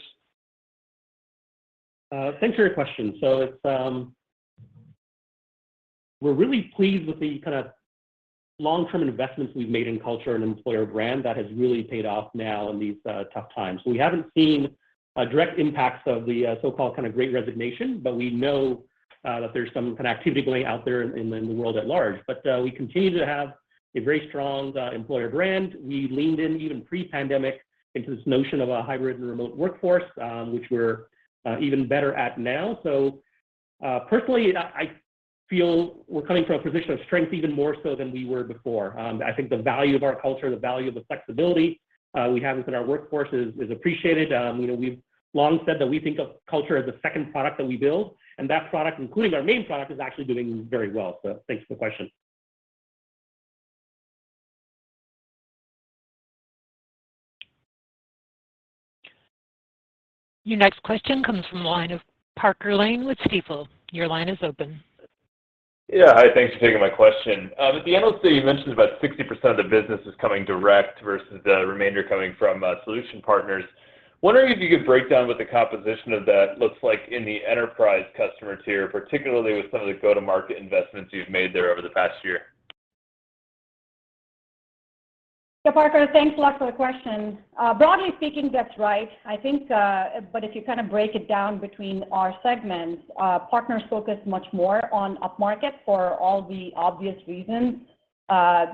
Thanks for your question. We're really pleased with the kind of long-term investments we've made in culture and employer brand. That has really paid off now in these tough times. We haven't seen direct impacts of the so-called kind of great resignation, but we know that there's some kind of activity going out there in the world at large. We continue to have a very strong employer brand. We leaned in even pre-pandemic into this notion of a hybrid and remote workforce, which we're even better at now. Personally, I feel we're coming from a position of strength even more so than we were before. I think the value of our culture, the value of the flexibility we have within our workforce is appreciated. We've long said that we think of culture as the second product that we build, and that product, including our main product, is actually doing very well. Thanks for the question. Your next question comes from the line of Parker Lane with Stifel. Your line is open. Yeah. Hi, thanks for taking my question. At the Analyst Day you mentioned about 60% of the business is coming direct versus the remainder coming from solution partners. Wondering if you could break down what the composition of that looks like in the enterprise customer tier, particularly with some of the go-to-market investments you've made there over the past year? Yeah, Parker, thanks a lot for the question. Broadly speaking, that's right. I think, but if you kind of break it down between our segments, partners focus much more on upmarket for all the obvious reasons.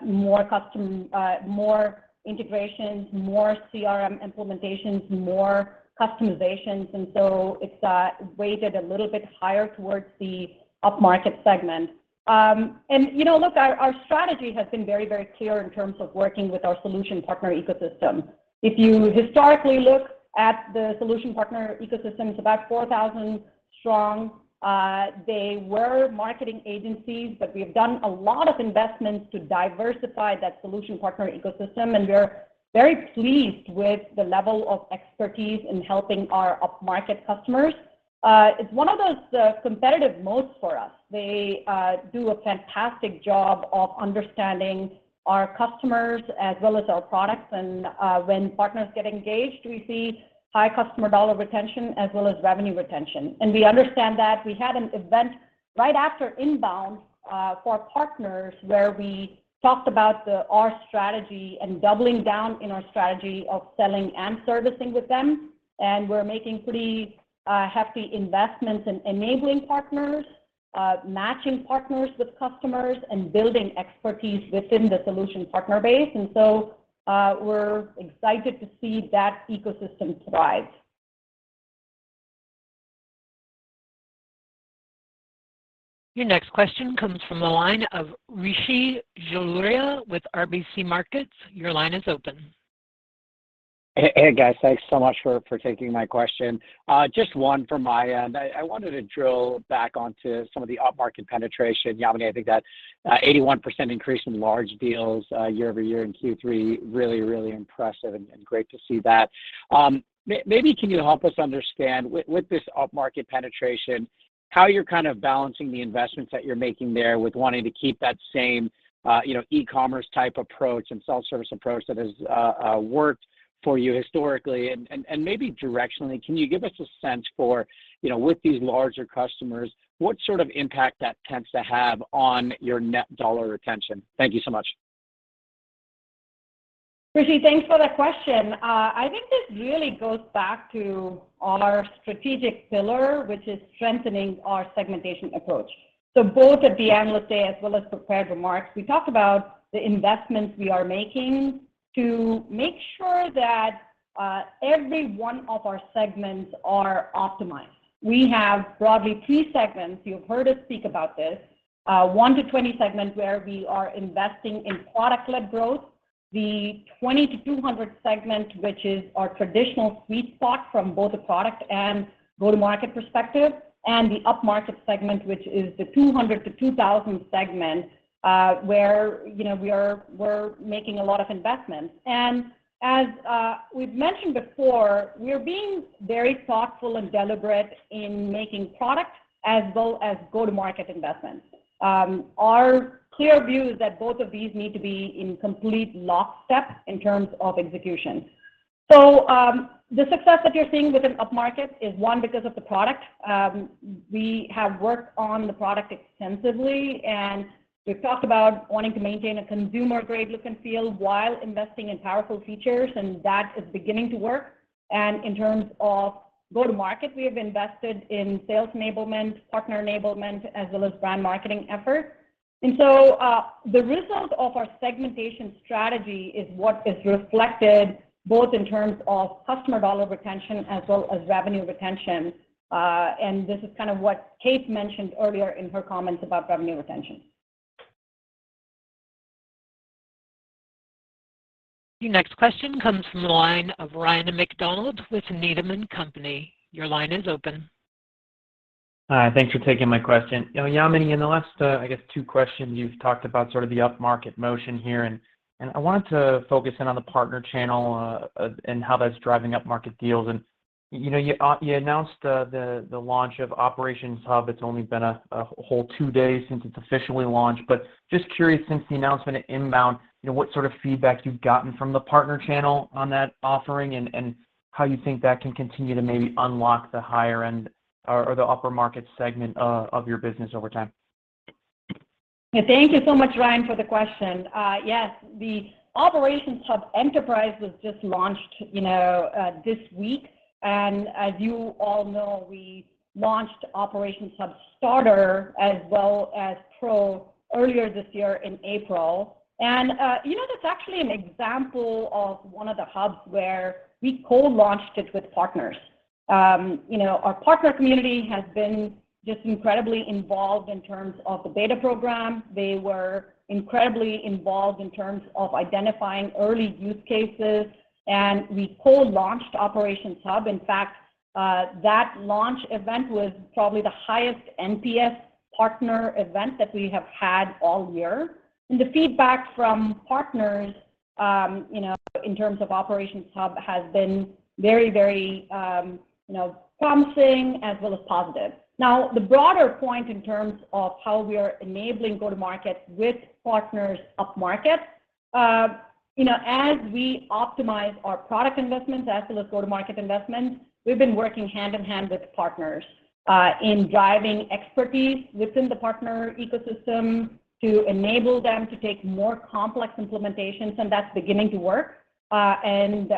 More custom, more integrations, more CRM implementations, more customizations, and so it's weighted a little bit higher towards the up-market segment. You know, look, our strategy has been very, very clear in terms of working with our solution partner ecosystem. If you historically look at the solution partner ecosystem, it's about 4,000 strong. They were marketing agencies, but we've done a lot of investments to diversify that solution partner ecosystem, and we're very pleased with the level of expertise in helping our up-market customers. It's one of those competitive moats for us. They do a fantastic job of understanding our customers as well as our products. When partners get engaged, we see high customer dollar retention as well as revenue retention. We understand that. We had an event right after INBOUND for our partners, where we talked about our strategy and doubling down in our strategy of selling and servicing with them, and we're making pretty hefty investments in enabling partners, matching partners with customers, and building expertise within the solution partner base. We're excited to see that ecosystem thrive. Your next question comes from the line of Rishi Jaluria with RBC Capital Markets. Your line is open. Hey guys. Thanks so much for taking my question. Just one from my end. I wanted to drill back onto some of the up-market penetration. Yamini, I think that 81% increase in large deals year-over-year in Q3, really impressive and great to see that. Maybe you can help us understand with this up-market penetration, how you're kind of balancing the investments that you're making there with wanting to keep that same, e-commerce type approach and self-service approach that has worked for you historically? Maybe directionally, you can give us a sense for, with these larger customers, what sort of impact that tends to have on your net dollar retention? Thank you so much. Rishi, thanks for the question. I think this really goes back to our strategic pillar, which is strengthening our segmentation approach. Both at the Analyst Day as well as prepared remarks, we talked about the investments we are making to make sure that every one of our segments are optimized. We have broadly three segments. You've heard us speak about this. 1-20 segment where we are investing in product-led growth, the 20-200 segment, which is our traditional sweet spot from both a product and go-to-market perspective, and the up-market segment, which is the 200-2,000 segment, where, you know, we're making a lot of investments. As we've mentioned before, we're being very thoughtful and deliberate in making product as well as go-to-market investments. Our clear view is that both of these need to be in complete lockstep in terms of execution. The success that you're seeing within up-market is, one, because of the product. We have worked on the product extensively, and we've talked about wanting to maintain a consumer-grade look and feel while investing in powerful features, and that is beginning to work. In terms of go to market, we have invested in sales enablement, partner enablement, as well as brand marketing efforts. The result of our segmentation strategy is what is reflected both in terms of customer dollar retention as well as revenue retention. This is kind of what Kate mentioned earlier in her comments about revenue retention. Your next question comes from the line of Ryan MacDonald with Needham & Company. Your line is open. Hi. Thanks for taking my question. You know, Yamini, in the last, I guess, two questions, you've talked about sort of the up-market motion here, and I wanted to focus in on the partner channel, and how that's driving up-market deals. You announced the launch of Operations Hub. It's only been a whole two days since it's officially launched, but just curious, since the announcement at INBOUND, you know, what sort of feedback you've gotten from the partner channel on that offering and how you think that can continue to maybe unlock the higher end or the upper market segment of your business over time. Thank you so much, Ryan, for the question. Yes. The Operations Hub Enterprise was just launched, you know, this week, and as you all know, we launched Operations Hub Starter as well as Pro earlier this year in April. You know, that's actually an example of one of the hubs where we co-launched it with partners. You know, our partner community has been just incredibly involved in terms of the beta program. They were incredibly involved in terms of identifying early use cases, and we co-launched Operations Hub. In fact, that launch event was probably the highest NPS partner event that we have had all-year. The feedback from partners, you know, in terms of Operations Hub, has been very promising as well as positive. Now, the broader point in terms of how we are enabling go-to-market with partners up market, as we optimize our product investments as well as go-to-market investments, we've been working hand in hand with partners, in driving expertise within the partner ecosystem to enable them to take more complex implementations, and that's beginning to work. I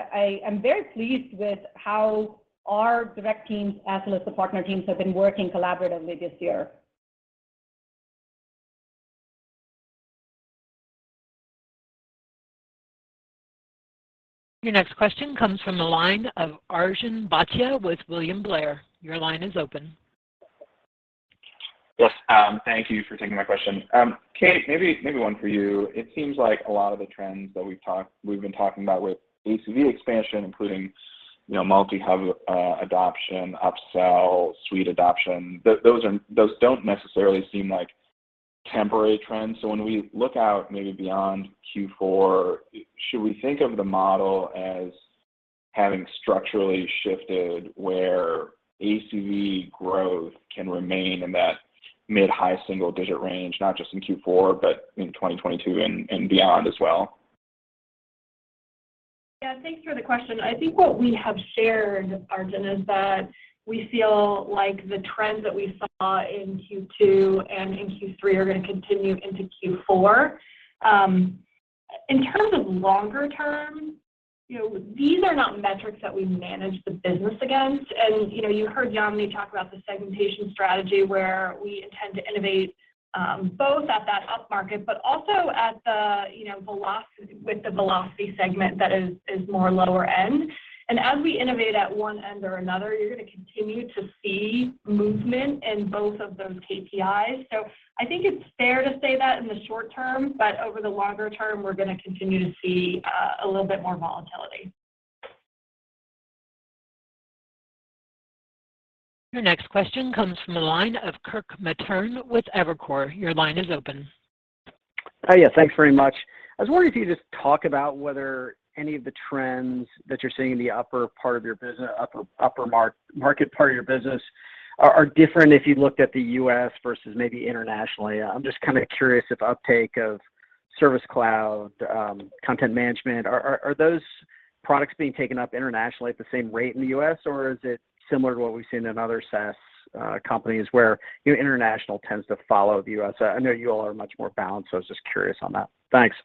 am very pleased with how our direct teams as well as the partner teams have been working collaboratively this year. Your next question comes from the line of Arjun Bhatia with William Blair. Your line is open. Yes, thank you for taking my question. Kate, maybe one for you. It seems like a lot of the trends that we've been talking about with ACV expansion, including multi-hub adoption, upsell, suite adoption, those don't necessarily seem like temporary trends. When we look out maybe beyond Q4, should we think of the model as having structurally shifted where ACV growth can remain in that mid-high single digit range, not just in Q4, but in 2022 and beyond as well? Yeah. Thanks for the question. I think what we have shared, Arjun, is that we feel like the trends that we saw in Q2 and in Q3 are gonna continue into Q4. In terms of longer term, these are not metrics that we manage the business against. You know, you heard Yamini talk about the segmentation strategy where we intend to innovate, both at that upmarket but also at the, you know, with the velocity segment that is more lower end. As we innovate at one end or another, you're gonna continue to see movement in both of those KPIs. I think it's fair to say that in the short-term, but over the longer-term, we're gonna continue to see a little bit more volatility. Your next question comes from the line of Kirk Materne with Evercore. Your line is open. Hi. Yeah, thanks very much. I was wondering if you could just talk about whether any of the trends that you're seeing in the upper part of your business—upper market part of your business are different if you looked at the U.S. versus maybe internationally. I'm just kinda curious if uptake of Service Hub, content management. Are those products being taken up internationally at the same rate in the U.S., or is it similar to what we've seen in other SaaS companies where, you know, international tends to follow the U.S.? I know you all are much more balanced, so I was just curious on that. Thanks.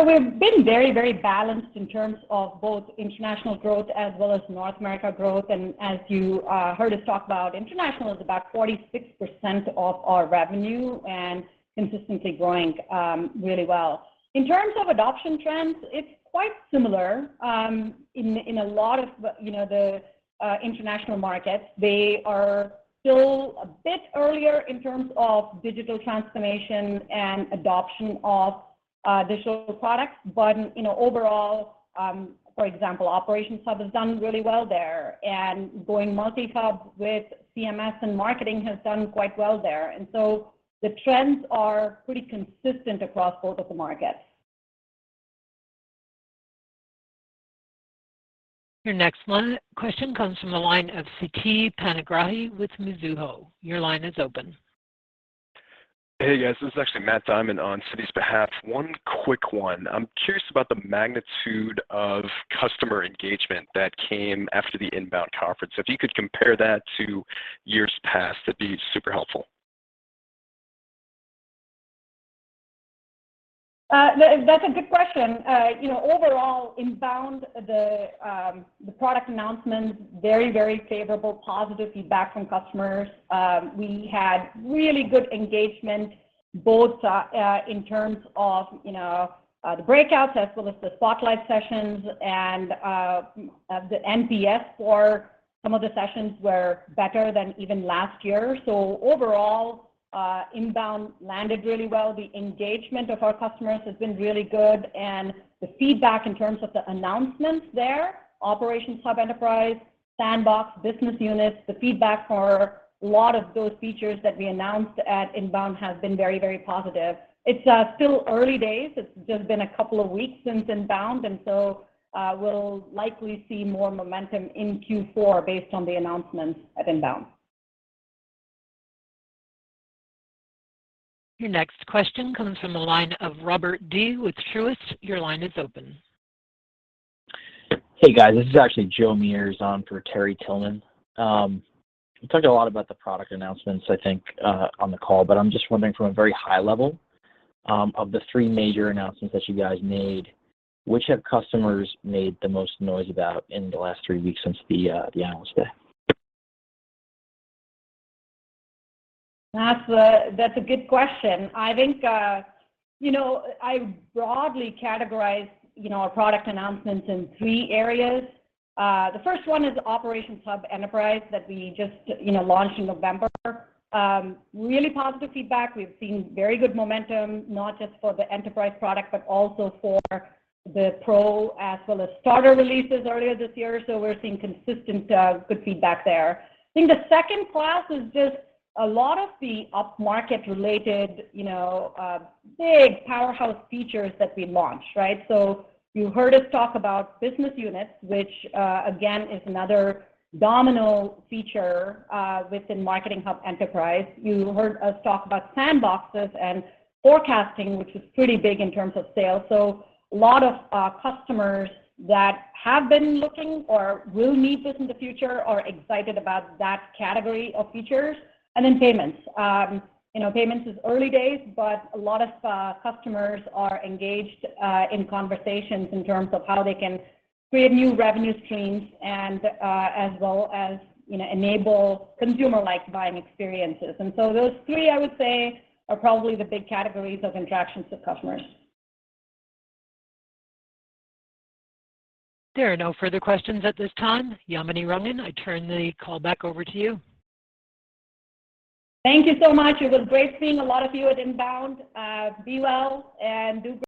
We've been very, very balanced in terms of both international growth as well as North America growth. As you heard us talk about international is about 46% of our revenue and consistently growing really well. In terms of adoption trends, it's quite similar in a lot of you know the international markets. They are still a bit earlier in terms of digital transformation and adoption of digital products. But you know overall for example, Operations Hub has done really well there, and going multi-hub with CMS and Marketing has done quite well there. The trends are pretty consistent across both of the markets. Your next question comes from the line of Siti Panigrahi with Mizuho. Your line is open. Hey, guys. This is actually Matt Diamond on Siti's behalf. One quick one. I'm curious about the magnitude of customer engagement that came after the INBOUND conference. If you could compare that to years past, that'd be super helpful. That's a good question. You know, overall, INBOUND, the product announcements, very favorable, positive feedback from customers. We had really good engagement both in terms of the breakouts as well as the spotlight sessions, and the NPS for some of the sessions were better than even last year. Overall, INBOUND landed really well. The engagement of our customers has been really good, and the feedback in terms of the announcements there, Operations Hub Enterprise, sandbox, business units, the feedback for a lot of those features that we announced at INBOUND has been very positive. It's still early days. It's just been a couple of weeks since INBOUND, and we'll likely see more momentum in Q4 based on the announcements at INBOUND. Your next question comes from the line of Terry Tillman with Truist. Your line is open. Hey, guys. This is actually Joe Meares on for Terry Tillman. You talked a lot about the product announcements, I think, on the call, but I'm just wondering from a very high level, of the three major announcements that you guys made, which have customers made the most noise about in the last three weeks since the announce day? That's a good question. I think, you know, I broadly categorize our product announcements in three areas. The first one is Operations Hub Enterprise that we just launched in November. Really positive feedback. We've seen very good momentum, not just for the enterprise product, but also for the pro as well as starter releases earlier this year. We're seeing consistent, good feedback there. I think the second class is just a lot of the upmarket related big powerhouse features that we launched, right? You heard us talk about business units, which, again, is another domino feature, within Marketing Hub Enterprise. You heard us talk about sandboxes and forecasting, which is pretty big in terms of sales. A lot of customers that have been looking or will need this in the future are excited about that category of features. Then payments. You know, payments is early days, but a lot of customers are engaged in conversations in terms of how they can create new revenue streams and as well as you know enable consumer-like buying experiences. Those three, I would say, are probably the big categories of attractions to customers. There are no further questions at this time. Yamini Rangan, I turn the call back over to you. Thank you so much. It was great seeing a lot of you at INBOUND. Be well, and do great.